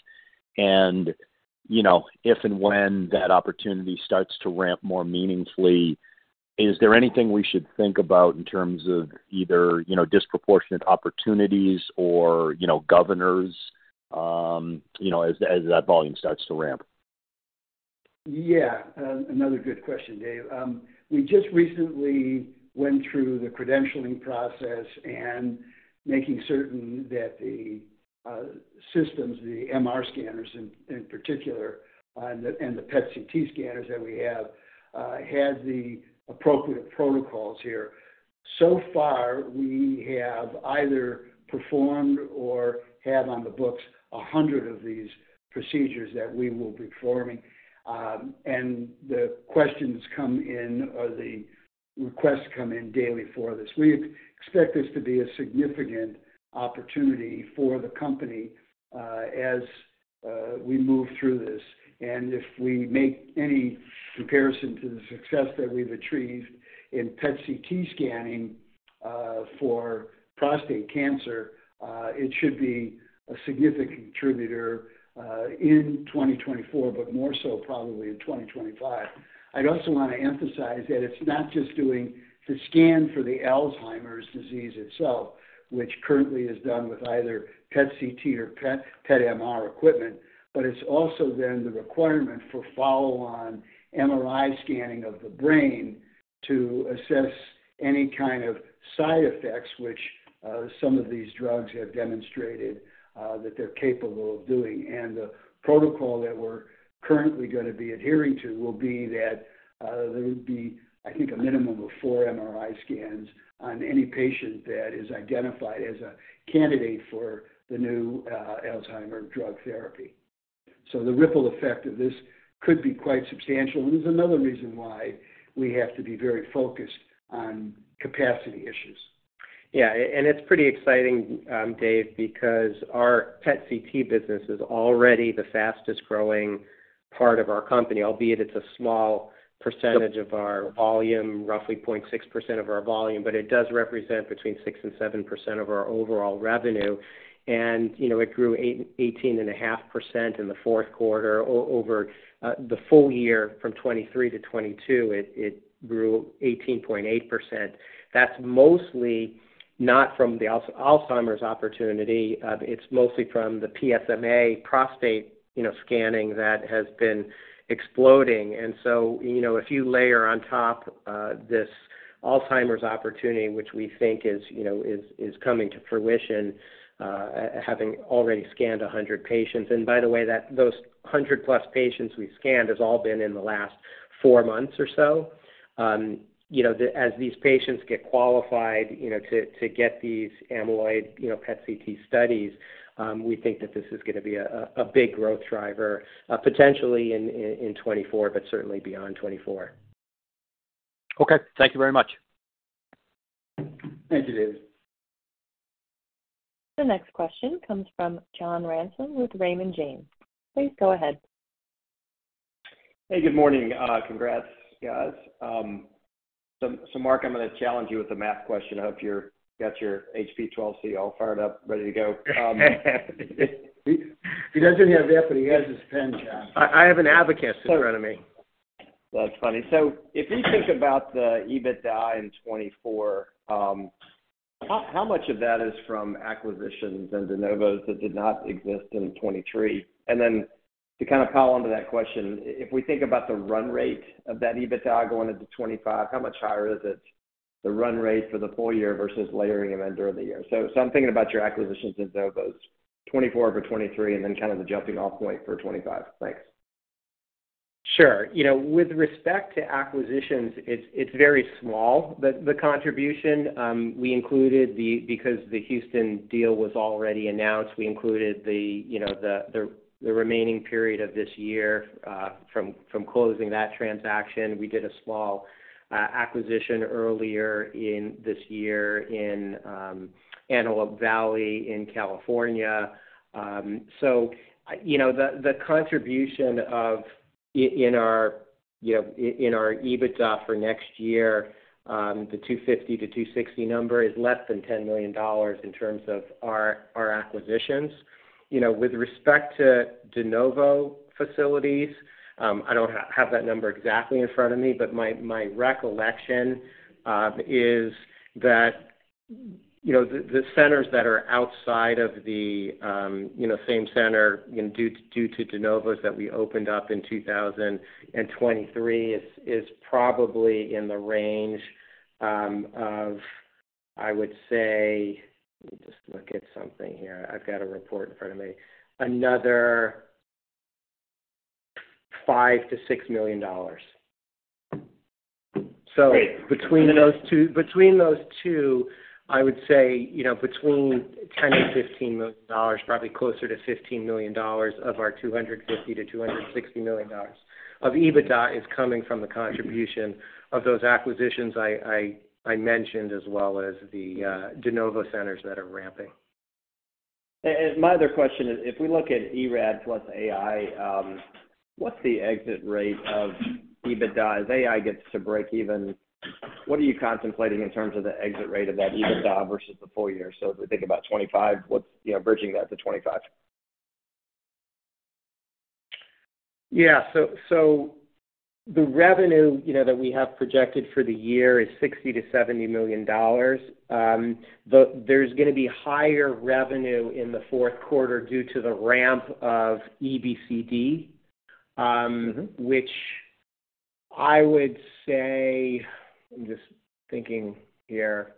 And if and when that opportunity starts to ramp more meaningfully, is there anything we should think about in terms of either disproportionate opportunities or governors as that volume starts to ramp? Yeah. Another good question, Dave. We just recently went through the credentialing process and making certain that the systems, the MR scanners in particular and the PET/CT scanners that we have, had the appropriate protocols here. So far, we have either performed or have on the books 100 of these procedures that we will be performing. The questions come in or the requests come in daily for this. We expect this to be a significant opportunity for the company as we move through this. If we make any comparison to the success that we've achieved in PET/CT scanning for prostate cancer, it should be a significant contributor in 2024 but more so probably in 2025. I'd also want to emphasize that it's not just doing the scan for the Alzheimer's disease itself, which currently is done with either PET/CT or PET/MR equipment, but it's also then the requirement for follow-on MRI scanning of the brain to assess any kind of side effects, which some of these drugs have demonstrated that they're capable of doing. And the protocol that we're currently going to be adhering to will be that there would be, I think, a minimum of four MRI scans on any patient that is identified as a candidate for the new Alzheimer drug therapy. So the ripple effect of this could be quite substantial. And there's another reason why we have to be very focused on capacity issues. Yeah. And it's pretty exciting, Dave, because our PET/CT business is already the fastest-growing part of our company, albeit it's a small percentage of our volume, roughly 0.6% of our volume, but it does represent between 6% and 7% of our overall revenue. And it grew 18.5% in the fourth quarter. Over the full year from 2023 to 2022, it grew 18.8%. That's mostly not from the Alzheimer's opportunity. It's mostly from the PSMA prostate scanning that has been exploding. And so if you layer on top this Alzheimer's opportunity, which we think is coming to fruition, having already scanned 100 patients and by the way, those 100+ ppatients we've scanned has all been in the last four months or so. As these patients get qualified to get these amyloid PET/CT studies, we think that this is going to be a big growth driver potentially in 2024 but certainly beyond 2024. Okay. Thank you very much. Thank you, David. The next question comes from John Ransom with Raymond James. Please go ahead. Hey. Good morning. Congrats, guys. So Mark, I'm going to challenge you with a math question. I hope you've got your HP 12C all fired up, ready to go. He doesn't have that, but he has his pen, John. I have an abacus in front of me. That's funny. So if we think about the EBITDA in 2024, how much of that is from acquisitions and de novos that did not exist in 2023? And then to kind of pile onto that question, if we think about the run rate of that EBITDA going into 2025, how much higher is it, the run rate for the full year versus layering them in during the year? So I'm thinking about your acquisitions and de novos, 2024 for 2023 and then kind of the jumping-off point for 2025. Thanks. Sure. With respect to acquisitions, it's very small, the contribution. Because the Houston deal was already announced, we included the remaining period of this year from closing that transaction. We did a small acquisition earlier in this year in Antelope Valley in California. So the contribution in our EBITDA for next year, the 250-260 number, is less than $10 million in terms of our acquisitions. With respect to de novo facilities, I don't have that number exactly in front of me, but my recollection is that the centers that are outside of the same center due to de novos that we opened up in 2023 is probably in the range of, I would say let me just look at something here. I've got a report in front of me. Another $5 million-$6 million. Between those two, I would say between $10 million-$15 million, probably closer to $15 million of our $250 million-$260 million of EBITDA is coming from the contribution of those acquisitions I mentioned as well as the de novo centers that are ramping. My other question is, if we look at eRAD+AI, what's the exit rate of EBITDA? As AI gets to break even, what are you contemplating in terms of the exit rate of that EBITDA versus the full year? So if we think about 2025, what's bridging that to 2025? Yeah. So the revenue that we have projected for the year is $60 million-$70 million. There's going to be higher revenue in the fourth quarter due to the ramp of EBCD, which I would say I'm just thinking here.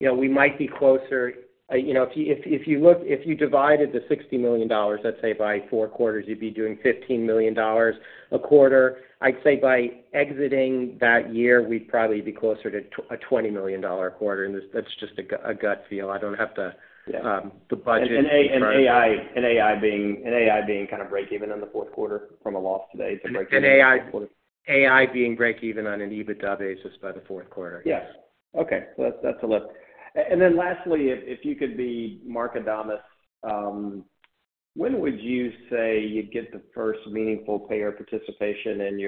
We might be closer if you divided the $60 million, let's say, by four quarters, you'd be doing $15 million a quarter. I'd say by exiting that year, we'd probably be closer to a $20 million a quarter. And that's just a gut feel. I don't have to the budget and. AI being kind of break even in the fourth quarter from a loss today to break even in the fourth quarter? AI being break even on an EBITDA basis by the fourth quarter. Yes. Okay. So that's a lift. And then lastly, if you could be Mark Adamus, when would you say you'd get the first meaningful payer participation in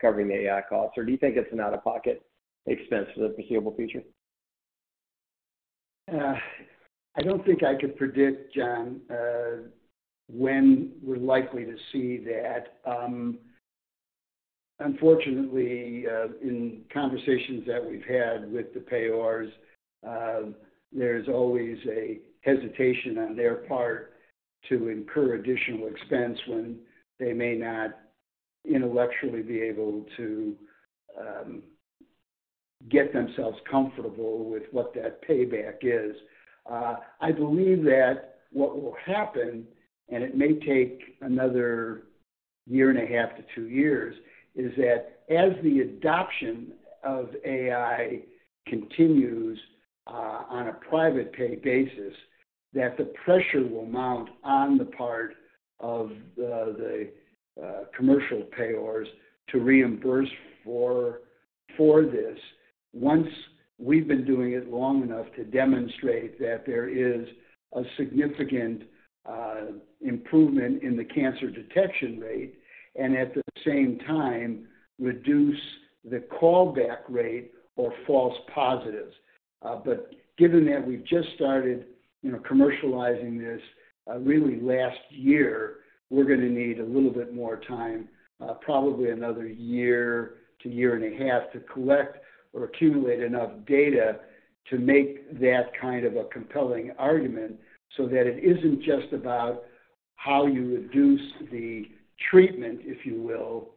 covering the AI costs? Or do you think it's an out-of-pocket expense for the foreseeable future? I don't think I could predict, John, when we're likely to see that. Unfortunately, in conversations that we've had with the payers, there's always a hesitation on their part to incur additional expense when they may not intellectually be able to get themselves comfortable with what that payback is. I believe that what will happen, and it may take another 1.5-2 years, is that as the adoption of AI continues on a private pay basis, that the pressure will mount on the part of the commercial payors to reimburse for this once we've been doing it long enough to demonstrate that there is a significant improvement in the cancer detection rate and at the same time reduce the callback rate or false positives. But given that we've just started commercializing this really last year, we're going to need a little bit more time, probably another 1-1.5 years, to collect or accumulate enough data to make that kind of a compelling argument so that it isn't just about how you reduce the treatment, if you will.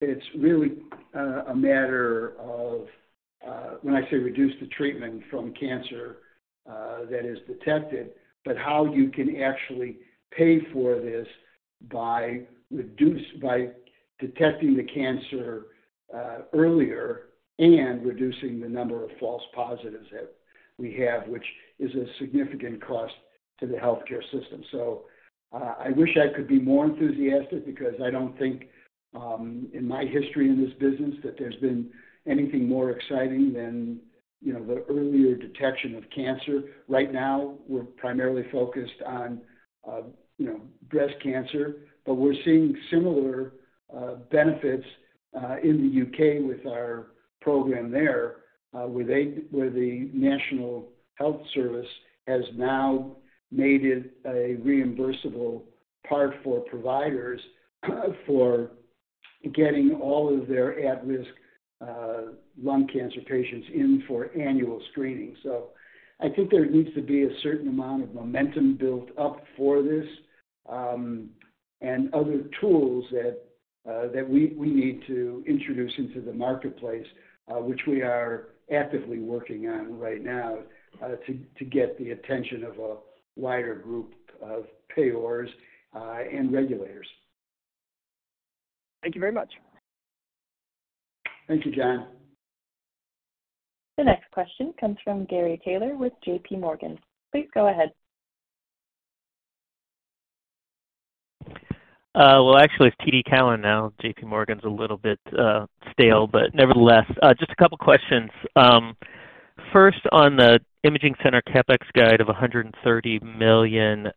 It's really a matter of when I say reduce the treatment from cancer that is detected, but how you can actually pay for this by detecting the cancer earlier and reducing the number of false positives that we have, which is a significant cost to the healthcare system. So I wish I could be more enthusiastic because I don't think in my history in this business that there's been anything more exciting than the earlier detection of cancer. Right now, we're primarily focused on breast cancer, but we're seeing similar benefits in the U.K. with our program there where the National Health Service has now made it a reimbursable part for providers for getting all of their at-risk lung cancer patients in for annual screening. I think there needs to be a certain amount of momentum built up for this and other tools that we need to introduce into the marketplace, which we are actively working on right now to get the attention of a wider group of payors and regulators. Thank you very much. Thank you, John. The next question comes from Gary Taylor with J.P. Morgan. Please go ahead. Well, actually, it's TD Cowen now. JP Morgan's a little bit stale, but nevertheless, just a couple of questions. First, on the imaging center CapEx guide of $130 million,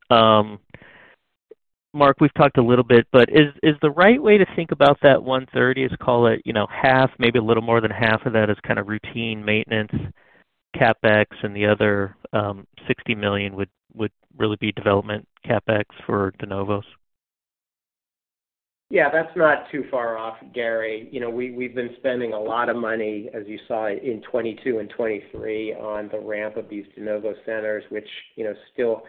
Mark, we've talked a little bit, but is the right way to think about that $130 million is call it half, maybe a little more than half of that as kind of routine maintenance CapEx, and the other $60 million would really be development CapEx for de novos? Yeah. That's not too far off, Gary. We've been spending a lot of money, as you saw, in 2022 and 2023 on the ramp of these de novo centers, which still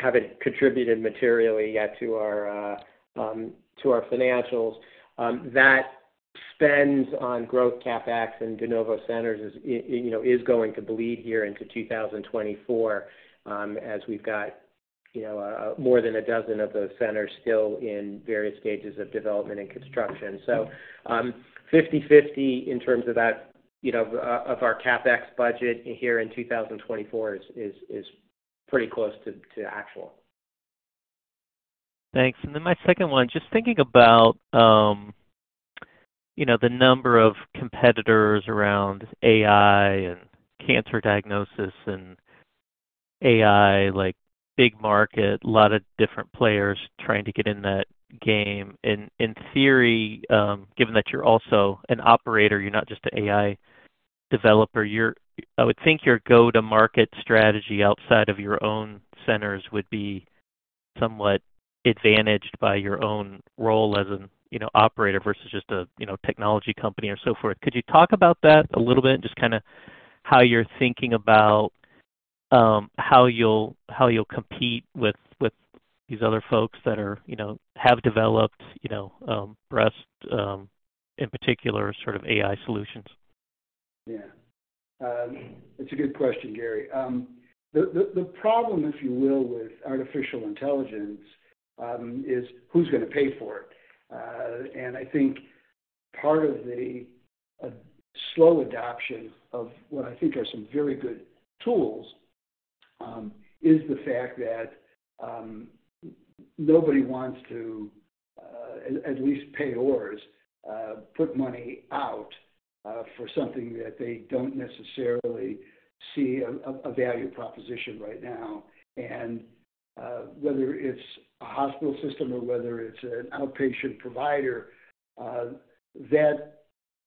haven't contributed materially yet to our financials. That spend on growth CapEx in de novo centers is going to bleed here into 2024 as we've got more than a dozen of those centers still in various stages of development and construction. So 50/50 in terms of our CapEx budget here in 2024 is pretty close to actual. Thanks. And then my second one, just thinking about the number of competitors around AI and cancer diagnosis and AI big market, a lot of different players trying to get in that game. In theory, given that you're also an operator, you're not just an AI developer. I would think your go-to-market strategy outside of your own centers would be somewhat advantaged by your own role as an operator versus just a technology company or so forth. Could you talk about that a little bit and just kind of how you're thinking about how you'll compete with these other folks that have developed breast, in particular, sort of AI solutions? Yeah. That's a good question, Gary. The problem, if you will, with artificial intelligence is who's going to pay for it. I think part of the slow adoption of what I think are some very good tools is the fact that nobody wants to, at least payers, put money out for something that they don't necessarily see a value proposition right now. Whether it's a hospital system or whether it's an outpatient provider, that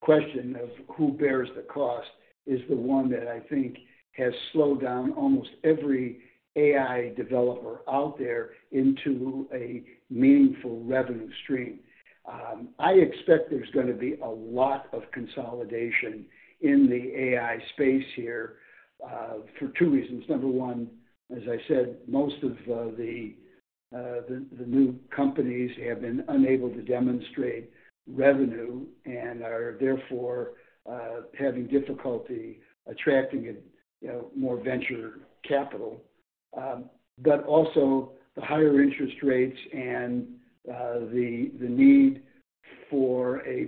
question of who bears the cost is the one that I think has slowed down almost every AI developer out there into a meaningful revenue stream. I expect there's going to be a lot of consolidation in the AI space here for two reasons. Number one, as I said, most of the new companies have been unable to demonstrate revenue and are therefore having difficulty attracting more venture capital. But also the higher interest rates and the need for a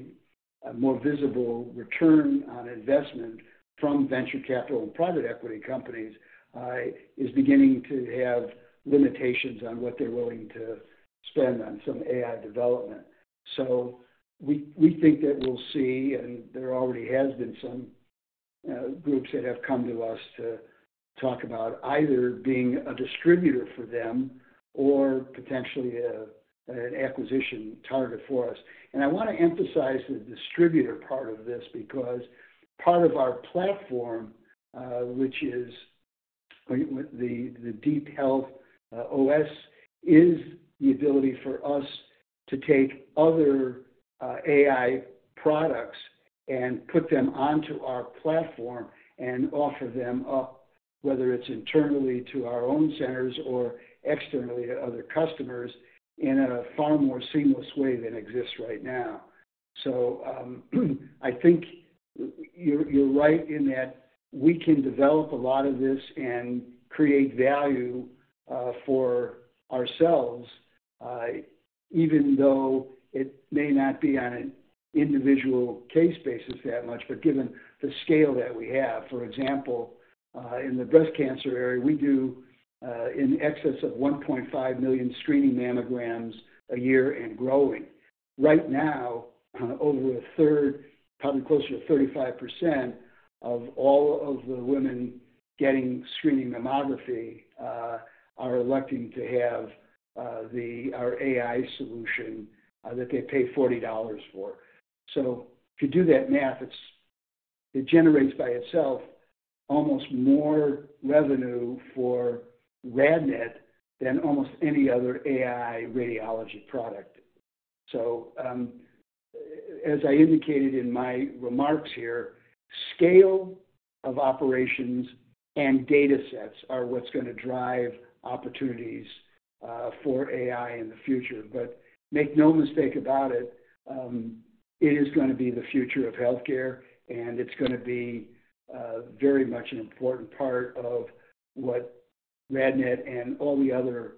more visible return on investment from venture capital and private equity companies is beginning to have limitations on what they're willing to spend on some AI development. So we think that we'll see, and there already has been some groups that have come to us to talk about either being a distributor for them or potentially an acquisition target for us. And I want to emphasize the distributor part of this because part of our platform, which is the Deep Health OS, is the ability for us to take other AI products and put them onto our platform and offer them up, whether it's internally to our own centers or externally to other customers, in a far more seamless way than exists right now. So I think you're right in that we can develop a lot of this and create value for ourselves, even though it may not be on an individual case basis that much. But given the scale that we have, for example, in the breast cancer area, we do in excess of 1.5 million screening mammograms a year and growing. Right now, over a third, probably closer to 35% of all of the women getting screening mammography are electing to have our AI solution that they pay $40 for. So if you do that math, it generates by itself almost more revenue for RadNet than almost any other AI radiology product. So as I indicated in my remarks here, scale of operations and datasets are what's going to drive opportunities for AI in the future. But make no mistake about it, it is going to be the future of healthcare, and it's going to be very much an important part of what RadNet and all the other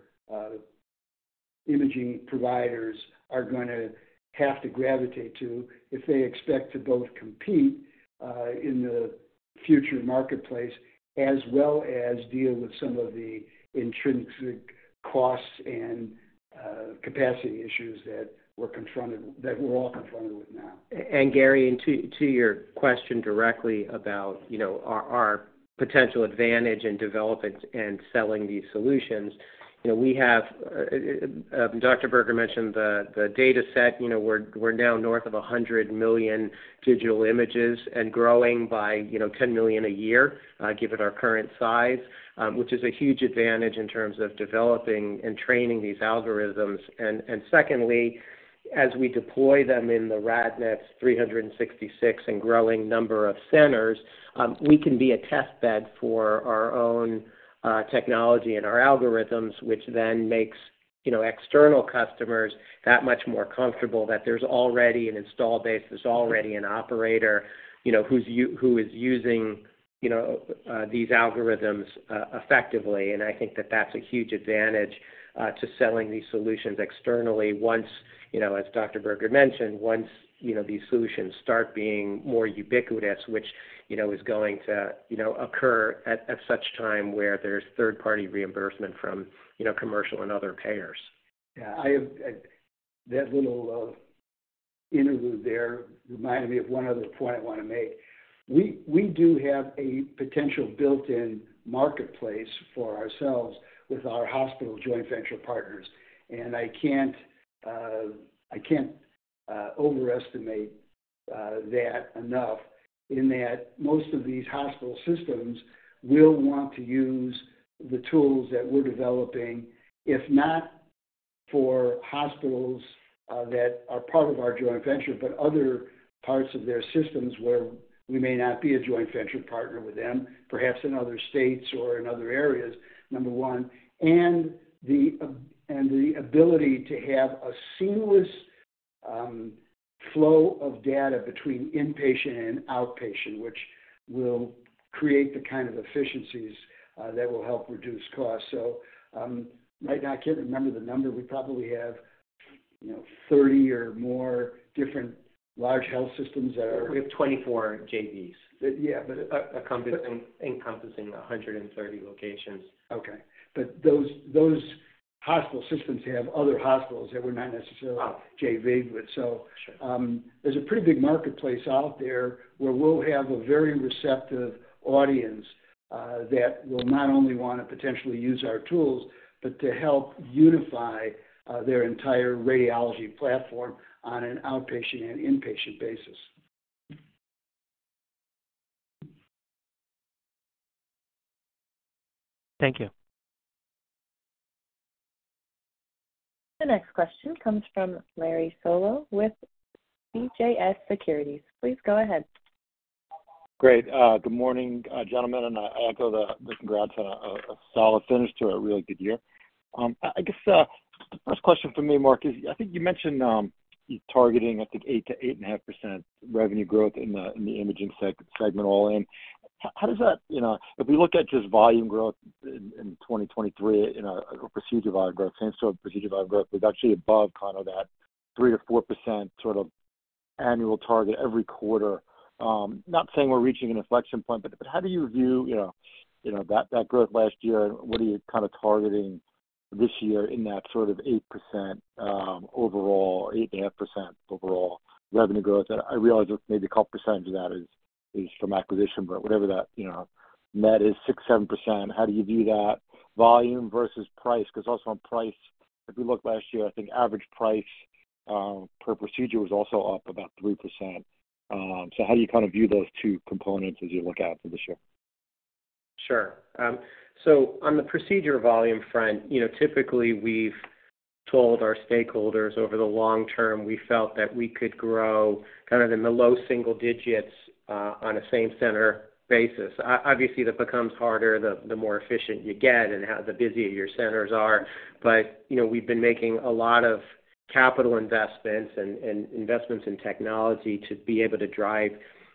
imaging providers are going to have to gravitate to if they expect to both compete in the future marketplace as well as deal with some of the intrinsic costs and capacity issues that we're all confronted with now. And Gary, to your question directly about our potential advantage in developing and selling these solutions, we have Dr. Berger mentioned the dataset. We're now north of 100 million digital images and growing by 10 million a year given our current size, which is a huge advantage in terms of developing and training these algorithms. Secondly, as we deploy them in the RadNet's 366 and growing number of centers, we can be a testbed for our own technology and our algorithms, which then makes external customers that much more comfortable that there's already an install base, there's already an operator who is using these algorithms effectively. And I think that that's a huge advantage to selling these solutions externally once, as Dr. Berger mentioned, once these solutions start being more ubiquitous, which is going to occur at such time where there's third-party reimbursement from commercial and other payors. Yeah. That little interlude there reminded me of one other point I want to make. We do have a potential built-in marketplace for ourselves with our hospital joint venture partners. And I can't overestimate that enough in that most of these hospital systems will want to use the tools that we're developing, if not for hospitals that are part of our joint venture, but other parts of their systems where we may not be a joint venture partner with them, perhaps in other states or in other areas, number one, and the ability to have a seamless flow of data between inpatient and outpatient, which will create the kind of efficiencies that will help reduce costs. So right now, I can't remember the number. We probably have 30 or more different large health systems that are. We have 24 JVs. Yeah, but. Encompassing 130 locations. Okay. But those hospital systems have other hospitals that we're not necessarily JV'd with. So there's a pretty big marketplace out there where we'll have a very receptive audience that will not only want to potentially use our tools but to help unify their entire radiology platform on an outpatient and inpatient basis. Thank you. The next question comes from Larry Solow with CJS Securities. Please go ahead. Great. Good morning, gentlemen, and I echo the congrats and a solid finish to a really good year. I guess the first question for me, Mark, is I think you mentioned you're targeting, I think, 8%-8.5% revenue growth in the imaging segment all in. How does that if we look at just volume growth in 2023, procedure volume growth, hand-to-hand procedure volume growth, it's actually above kind of that 3%-4% sort of annual target every quarter. Not saying we're reaching an inflection point, but how do you view that growth last year, and what are you kind of targeting this year in that sort of 8% overall, 8.5% overall revenue growth? I realize maybe a couple percent of that is from acquisition, but whatever that net is, 6%-7%, how do you view that volume versus price? Because also on price, if we looked last year, I think average price per procedure was also up about 3%. So how do you kind of view those two components as you look out for this year? Sure. So on the procedure volume front, typically, we've told our stakeholders over the long term, we felt that we could grow kind of in the low single digits on a same-center basis. Obviously, that becomes harder the more efficient you get and the busier your centers are. But we've been making a lot of capital investments and investments in technology to be able to drive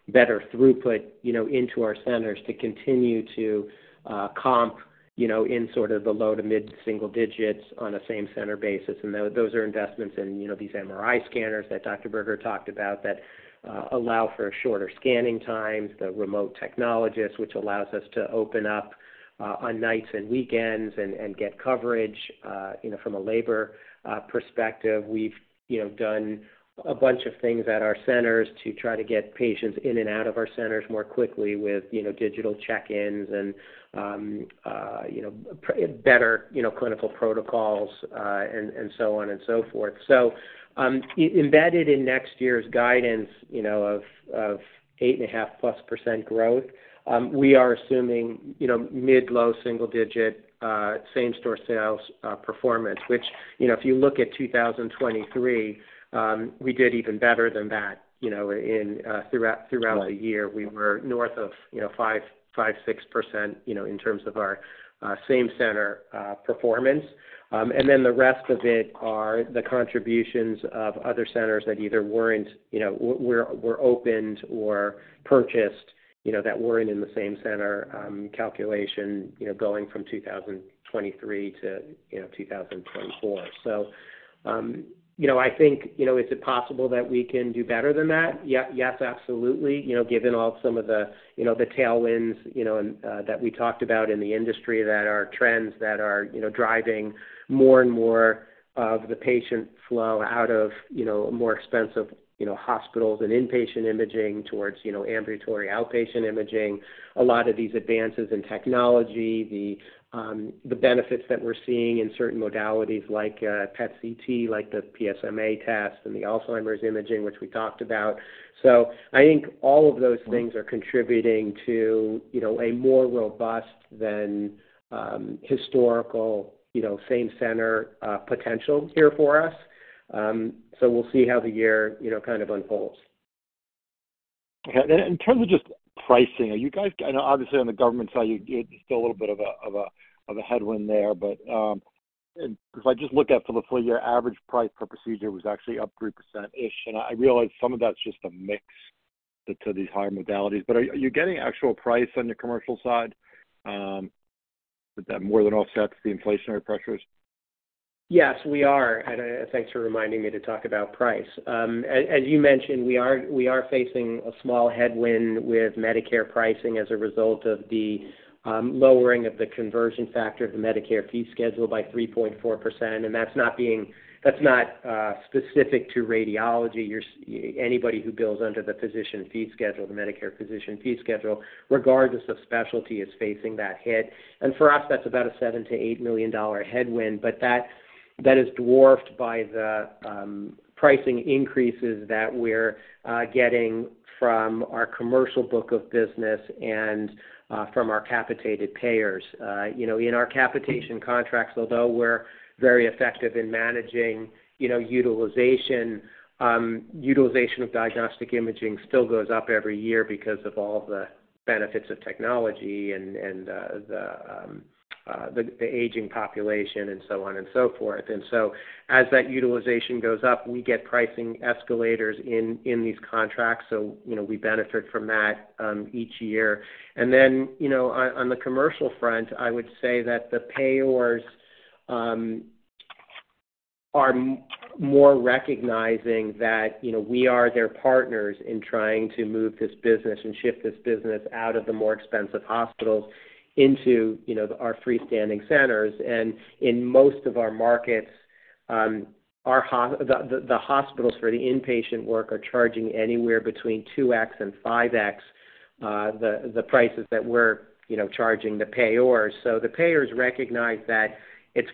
better throughput into our centers to continue to comp in sort of the low to mid-single digits on a same-center basis. And those are investments in these MRI scanners that Dr. Berger talked about that allow for shorter scanning times, the remote technologists, which allows us to open up on nights and weekends and get coverage from a labor perspective. We've done a bunch of things at our centers to try to get patients in and out of our centers more quickly with digital check-ins and better clinical protocols and so on and so forth. So embedded in next year's guidance of 8.5%+ growth, we are assuming mid- to low-single-digit same-store sales performance, which if you look at 2023, we did even better than that throughout the year. We were north of 5%-6% in terms of our same-center performance. And then the rest of it are the contributions of other centers that either weren't opened or purchased that weren't in the same-center calculation going from 2023 to 2024. So I think, is it possible that we can do better than that? Yes, absolutely, given all some of the tailwinds that we talked about in the industry, that are trends that are driving more and more of the patient flow out of more expensive hospitals and inpatient imaging towards ambulatory outpatient imaging, a lot of these advances in technology, the benefits that we're seeing in certain modalities like PET/CT, like the PSMA test, and the Alzheimer's imaging, which we talked about. So I think all of those things are contributing to a more robust than historical same-center potential here for us. So we'll see how the year kind of unfolds. Okay. And in terms of just pricing, are you guys obviously, on the government side, it's still a little bit of a headwind there. But if I just look at for the full year, average price per procedure was actually up 3%-ish. And I realize some of that's just a mix to these higher modalities. But are you getting actual price on your commercial side that more than offsets the inflationary pressures? Yes, we are. And thanks for reminding me to talk about price. As you mentioned, we are facing a small headwind with Medicare pricing as a result of the lowering of the conversion factor of the Medicare fee schedule by 3.4%. And that's not specific to radiology. Anybody who bills under the physician fee schedule, the Medicare physician fee schedule, regardless of specialty, is facing that hit. And for us, that's about a $7 million-$8 million headwind. But that is dwarfed by the pricing increases that we're getting from our commercial book of business and from our capitated payers. In our capitation contracts, although we're very effective in managing utilization, utilization of diagnostic imaging still goes up every year because of all the benefits of technology and the aging population and so on and so forth. And so as that utilization goes up, we get pricing escalators in these contracts. So we benefit from that each year. And then on the commercial front, I would say that the payors are more recognizing that we are their partners in trying to move this business and shift this business out of the more expensive hospitals into our freestanding centers. And in most of our markets, the hospitals for the inpatient work are charging anywhere between 2x and 5x the prices that we're charging the payors. So the payors recognize that it's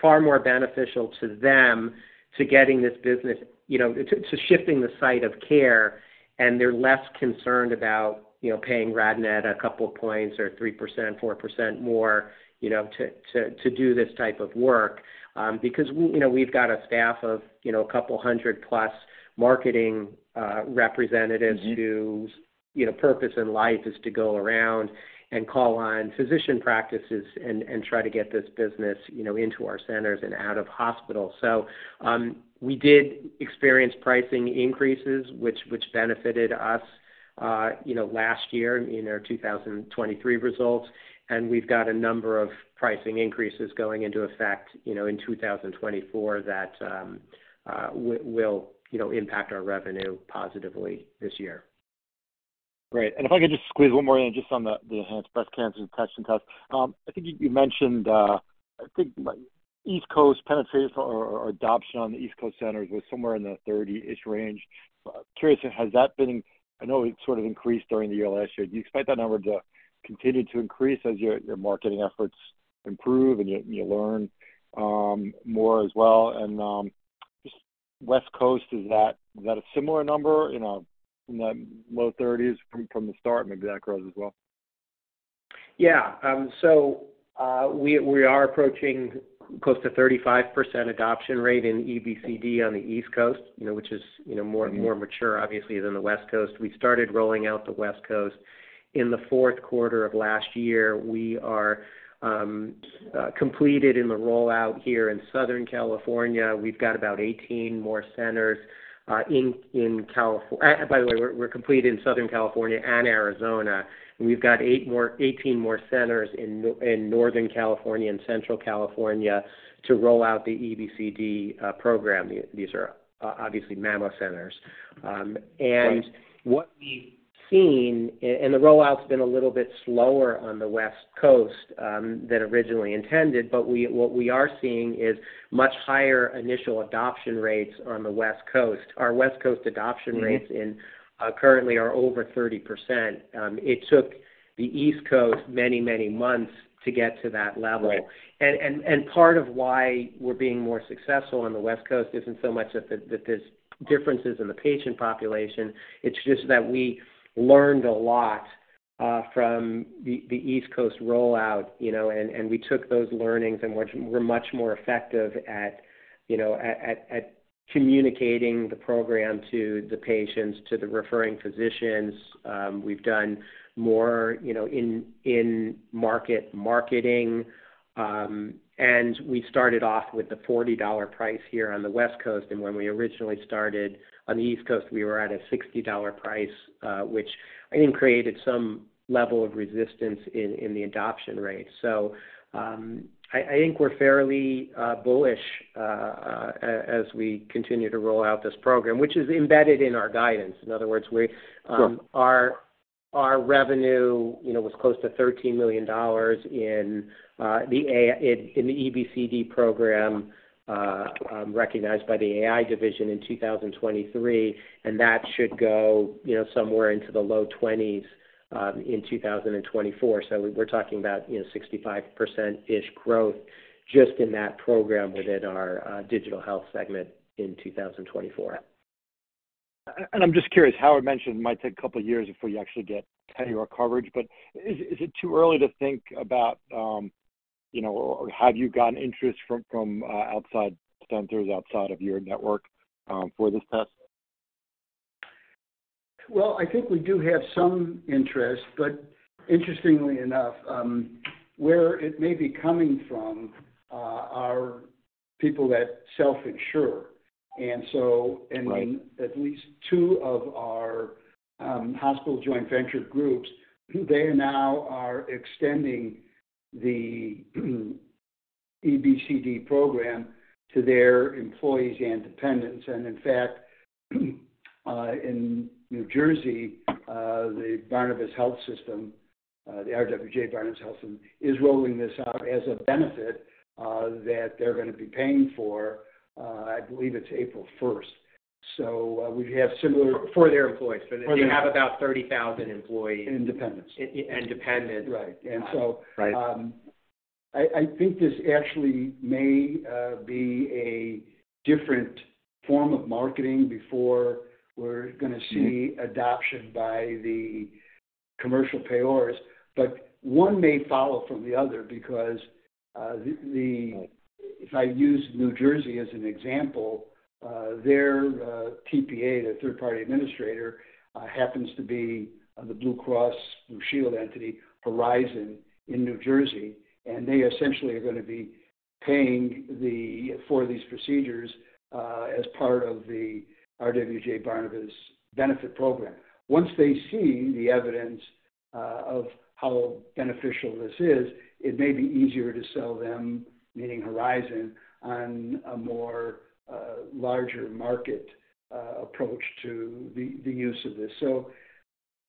far more beneficial to them to getting this business to shifting the site of care, and they're less concerned about paying RadNet a couple points or 3%-4% more to do this type of work because we've got a staff of a couple 100+ marketing representatives whose purpose in life is to go around and call on physician practices and try to get this business into our centers and out of hospitals. So we did experience pricing increases, which benefited us last year in our 2023 results. And we've got a number of pricing increases going into effect in 2024 that will impact our revenue positively this year. Great. And if I could just squeeze one more in just on the breast cancer detection test. I think you mentioned I think East Coast penetration or adoption on the East Coast centers was somewhere in the 30-ish range. Curious, has that been I know it sort of increased during the year last year. Do you expect that number to continue to increase as your marketing efforts improve and you learn more as well? And just West Coast, is that a similar number in the low 30s from the start? Maybe that grows as well. Yeah. So we are approaching close to 35% adoption rate in EBCD on the East Coast, which is more mature, obviously, than the West Coast. We started rolling out the West Coast in the fourth quarter of last year. We are completed in the rollout here in Southern California. We've got about 18 more centers in by the way, we're completed in Southern California and Arizona. And we've got 18 more centers in Northern California and Central California to roll out the EBCD program. These are obviously mammoth centers. And what we've seen and the rollout's been a little bit slower on the West Coast than originally intended, but what we are seeing is much higher initial adoption rates on the West Coast. Our West Coast adoption rates currently are over 30%. It took the East Coast many, many months to get to that level. Part of why we're being more successful on the West Coast isn't so much that there's differences in the patient population. It's just that we learned a lot from the East Coast rollout. We took those learnings, and we're much more effective at communicating the program to the patients, to the referring physicians. We've done more in-market marketing. We started off with the $40 price here on the West Coast. When we originally started on the East Coast, we were at a $60 price, which I think created some level of resistance in the adoption rate. I think we're fairly bullish as we continue to roll out this program, which is embedded in our guidance. In other words, our revenue was close to $13 million in the EBCD program recognized by the AI division in 2023. That should go somewhere into the low 20s in 2024. We're talking about 65%-ish growth just in that program within our digital health segment in 2024. I'm just curious. Howard mentioned it might take a couple of years before you actually get payor coverage. Is it too early to think about or have you gotten interest from outside centers outside of your network for this test? Well, I think we do have some interest. But interestingly enough, where it may be coming from are people that self-insure. And so at least two of our hospital joint venture groups, they now are extending the EBCD program to their employees and dependents. And in fact, in New Jersey, the Barnabas Health System, the RWJBarnabas Health System, is rolling this out as a benefit that they're going to be paying for. I believe it's April 1st. So we have similar. For their employees. But they have about 30,000 employees. Independents. And dependents. Right. And so I think this actually may be a different form of marketing before we're going to see adoption by the commercial payors. But one may follow from the other because if I use New Jersey as an example, their TPA, the third-party administrator, happens to be the Blue Cross Blue Shield entity, Horizon in New Jersey. And they essentially are going to be paying for these procedures as part of the RWJBarnabas benefit program. Once they see the evidence of how beneficial this is, it may be easier to sell them, meaning Horizon, on a larger market approach to the use of this.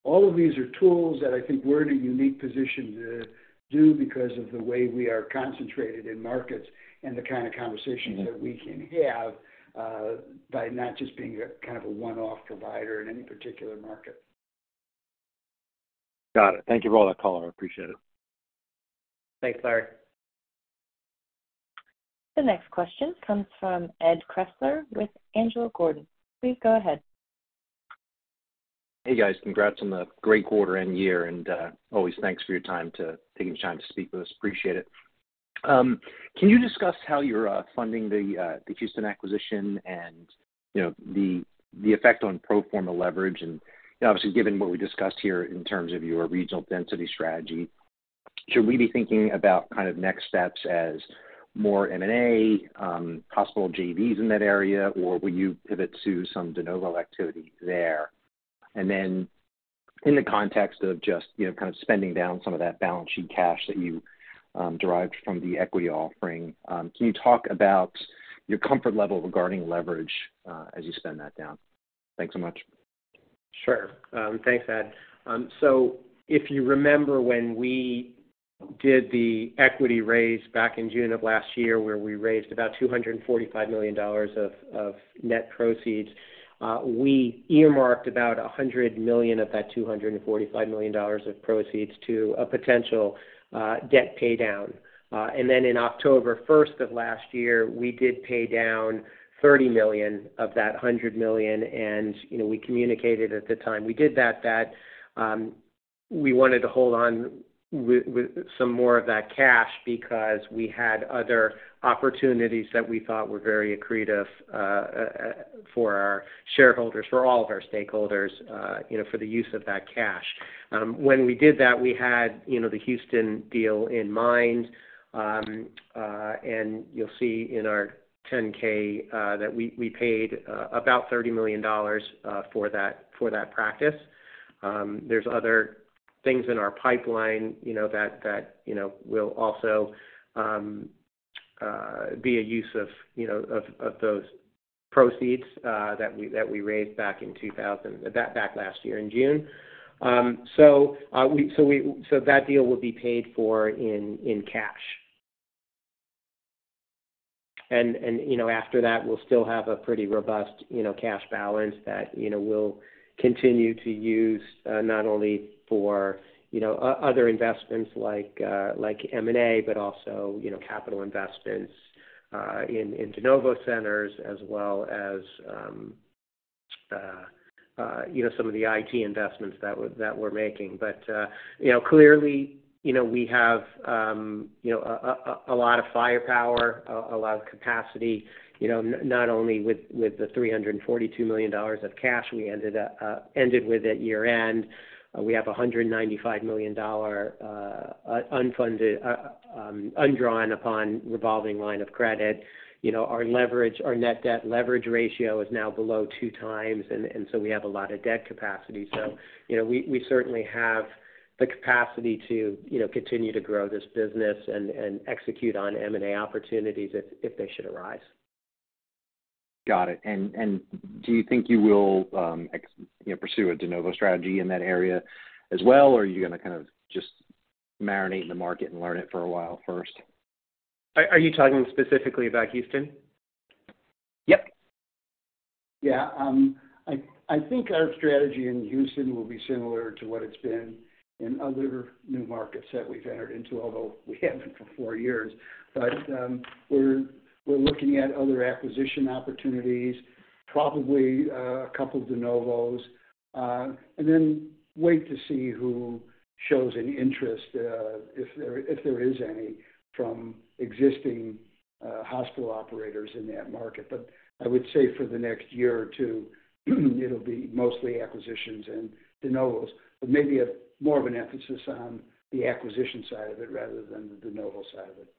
All of these are tools that I think we're in a unique position to do because of the way we are concentrated in markets and the kind of conversations that we can have by not just being kind of a one-off provider in any particular market. Got it. Thank you for all tha color. I appreciate it. Thanks, Larry. The next question comes from Ed Kressler with Angelo Gordon. Please go ahead. Hey, guys. Congrats on the great quarter-end year. And always thanks for your time to taking the time to speak with us. Appreciate it. Can you discuss how you're funding the Houston acquisition and the effect on pro forma leverage? And obviously, given what we discussed here in terms of your regional density strategy, should we be thinking about kind of next steps as more M&A, hospital JVs in that area, or will you pivot to some de novo activity there? And then in the context of just kind of spending down some of that balance sheet cash that you derived from the equity offering, can you talk about your comfort level regarding leverage as you spend that down? Thanks so much. Sure. Thanks, Ed. So if you remember when we did the equity raise back in June of last year where we raised about $245 million of net proceeds, we earmarked about $100 million of that $245 million of proceeds to a potential debt paydown. And then on October 1st of last year, we did pay down $30 million of that $100 million. And we communicated at the time we did that that we wanted to hold on with some more of that cash because we had other opportunities that we thought were very accretive for our shareholders, for all of our stakeholders, for the use of that cash. When we did that, we had the Houston deal in mind. And you'll see in our 10K that we paid about $30 million for that practice. There's other things in our pipeline that will also be a use of those proceeds that we raised back in 2000 back last year in June. So that deal will be paid for in cash. And after that, we'll still have a pretty robust cash balance that we'll continue to use not only for other investments like M&A but also capital investments in de novo centers as well as some of the IT investments that we're making. But clearly, we have a lot of firepower, a lot of capacity. Not only with the $342 million of cash we ended with at year-end, we have $195 million undrawn upon revolving line of credit. Our Net Leverage Ratio is now below two times. And so we have a lot of debt capacity. We certainly have the capacity to continue to grow this business and execute on M&A opportunities if they should arise. Got it. Do you think you will pursue a de novo strategy in that area as well, or are you going to kind of just marinate in the market and learn it for a while first? Are you talking specifically about Houston? Yep. Yeah. I think our strategy in Houston will be similar to what it's been in other new markets that we've entered into, although we haven't for four years. But we're looking at other acquisition opportunities, probably a couple de novos, and then wait to see who shows an interest, if there is any, from existing hospital operators in that market. But I would say for the next year or two, it'll be mostly acquisitions and de novos, but maybe more of an emphasis on the acquisition side of it rather than the de novo side of it.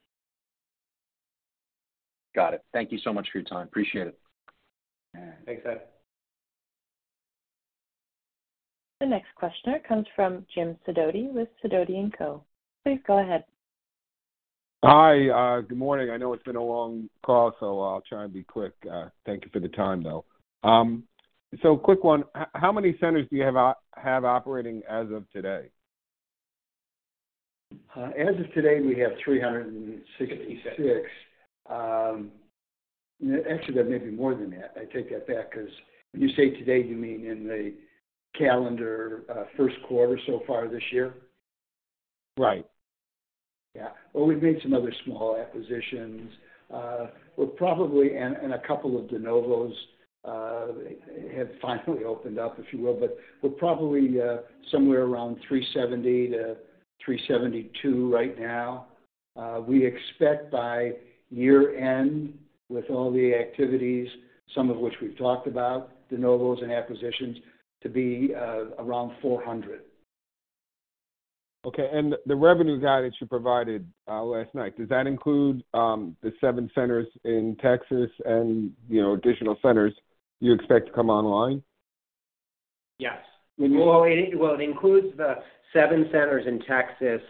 Got it. Thank you so much for your time. Appreciate it. Thanks, Ed. The next questioner comes from Jim Sidoti with Sidoti & Company. Please go ahead. Hi. Good morning. I know it's been a long call, so I'll try and be quick. Thank you for the time, though. So quick one. How many centers do you have operating as of today? As of today, we have 366. Actually, there may be more than that. I take that back because when you say today, you mean in the calendar first quarter so far this year? Right. Yeah. Well, we've made some other small acquisitions. And a couple of de novos have finally opened up, if you will. But we're probably somewhere around 370-372 right now. We expect by year-end, with all the activities, some of which we've talked about, de novos and acquisitions, to be around 400. Okay. The revenue guidance you provided last night, does that include the 7 centers in Texas and additional centers you expect to come online? Yes. Well, it includes the 7 centers in Texas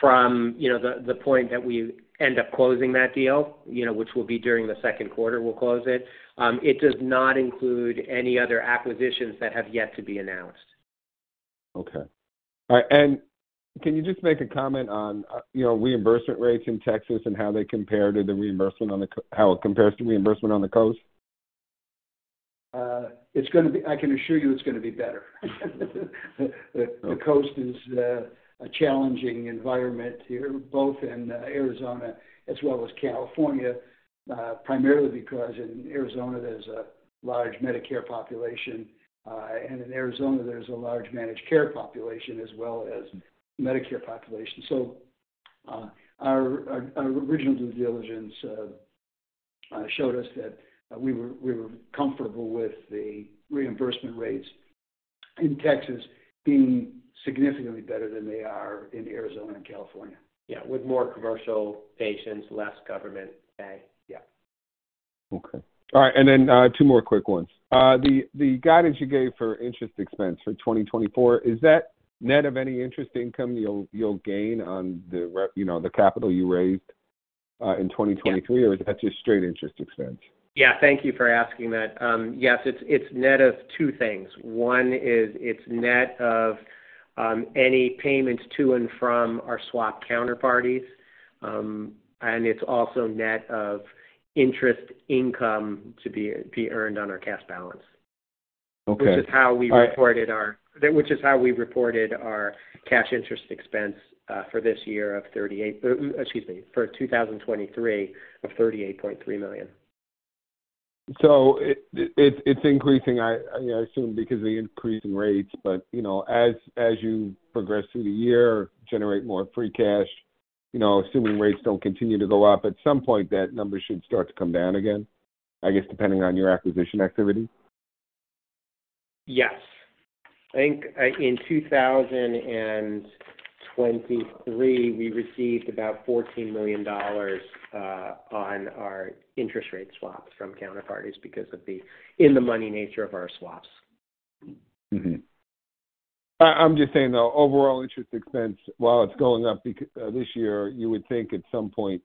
from the point that we end up closing that deal, which will be during the second quarter we'll close it. It does not include any other acquisitions that have yet to be announced. Okay. All right. Can you just make a comment on reimbursement rates in Texas and how they compare to the reimbursement on the coast? I can assure you it's going to be better. The coast is a challenging environment here, both in Arizona as well as California, primarily because in Arizona, there's a large Medicare population. In Arizona, there's a large managed care population as well as Medicare population. So our original due diligence showed us that we were comfortable with the reimbursement rates in Texas being significantly better than they are in Arizona and California. Yeah. With more commercial patients, less government pay. Yeah. Okay. All right. And then two more quick ones. The guidance you gave for interest expense for 2024, is that net of any interest income you'll gain on the capital you raised in 2023, or is that just straight interest expense? Yeah. Thank you for asking that. Yes. It's net of two things. One is it's net of any payments to and from our swap counterparties. And it's also net of interest income to be earned on our cash balance, which is how we reported our cash interest expense for this year of $38.3 million. Excuse me, for 2023 of $38.3 million. It's increasing, I assume, because of the increasing rates. But as you progress through the year, generate more free cash, assuming rates don't continue to go up, at some point, that number should start to come down again, I guess, depending on your acquisition activity? Yes. I think in 2023, we received about $14 million on our interest rate swaps from counterparties because of the in-the-money nature of our swaps. I'm just saying, though, overall interest expense, while it's going up this year, you would think at some point,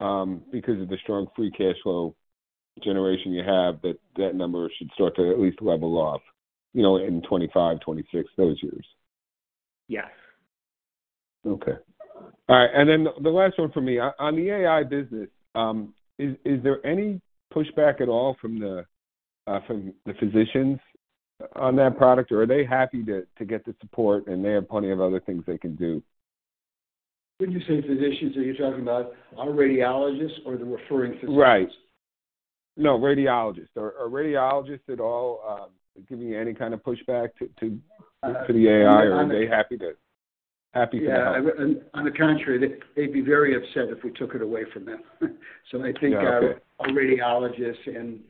because of the strong free cash flow generation you have, that number should start to at least level off in 2025, 2026, those years. Yes. Okay. All right. And then the last one from me. On the AI business, is there any pushback at all from the physicians on that product, or are they happy to get the support, and they have plenty of other things they can do? When you say physicians, are you talking about our radiologists or the referring physicians? Right. No, radiologists. Are radiologists at all giving you any kind of pushback to the AI, or are they happy to help? Yeah. On the contrary, they'd be very upset if we took it away from them. So I think our radiologists and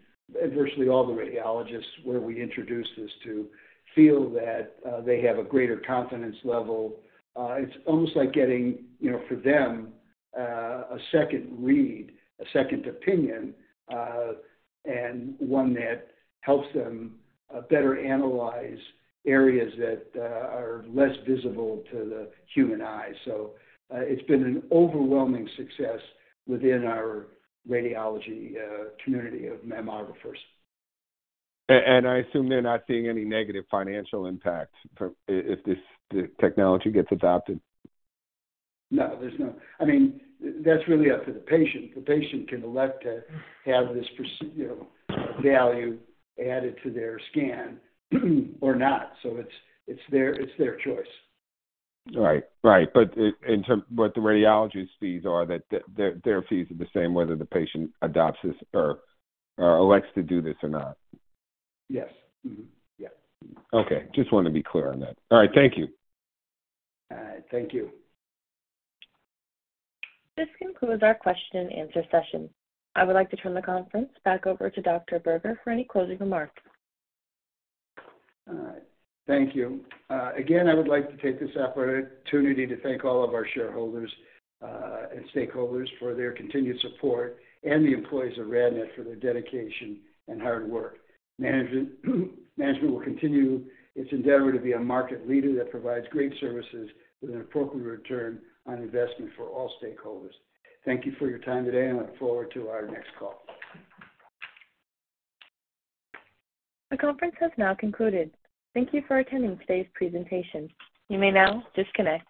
virtually all the radiologists where we introduce this to feel that they have a greater confidence level. It's almost like getting, for them, a second read, a second opinion, and one that helps them better analyze areas that are less visible to the human eye. So it's been an overwhelming success within our radiology community of mammographers. I assume they're not seeing any negative financial impact if this technology gets adopted? No. I mean, that's really up to the patient. The patient can elect to have this value added to their scan or not. So it's their choice. Right. Right. But what the radiologist's fees are, their fees are the same whether the patient adopts this or elects to do this or not. Yes. Yeah. Okay. Just wanted to be clear on that. All right. Thank you. All right. Thank you. This concludes our question-and-answer session. I would like to turn the conference back over to Dr. Berger for any closing remarks. All right. Thank you. Again, I would like to take this opportunity to thank all of our shareholders and stakeholders for their continued support and the employees of RadNet for their dedication and hard work. Management will continue its endeavor to be a market leader that provides great services with an appropriate return on investment for all stakeholders. Thank you for your time today, and I look forward to our next call. The conference has now concluded. Thank you for attending today's presentation. You may now disconnect.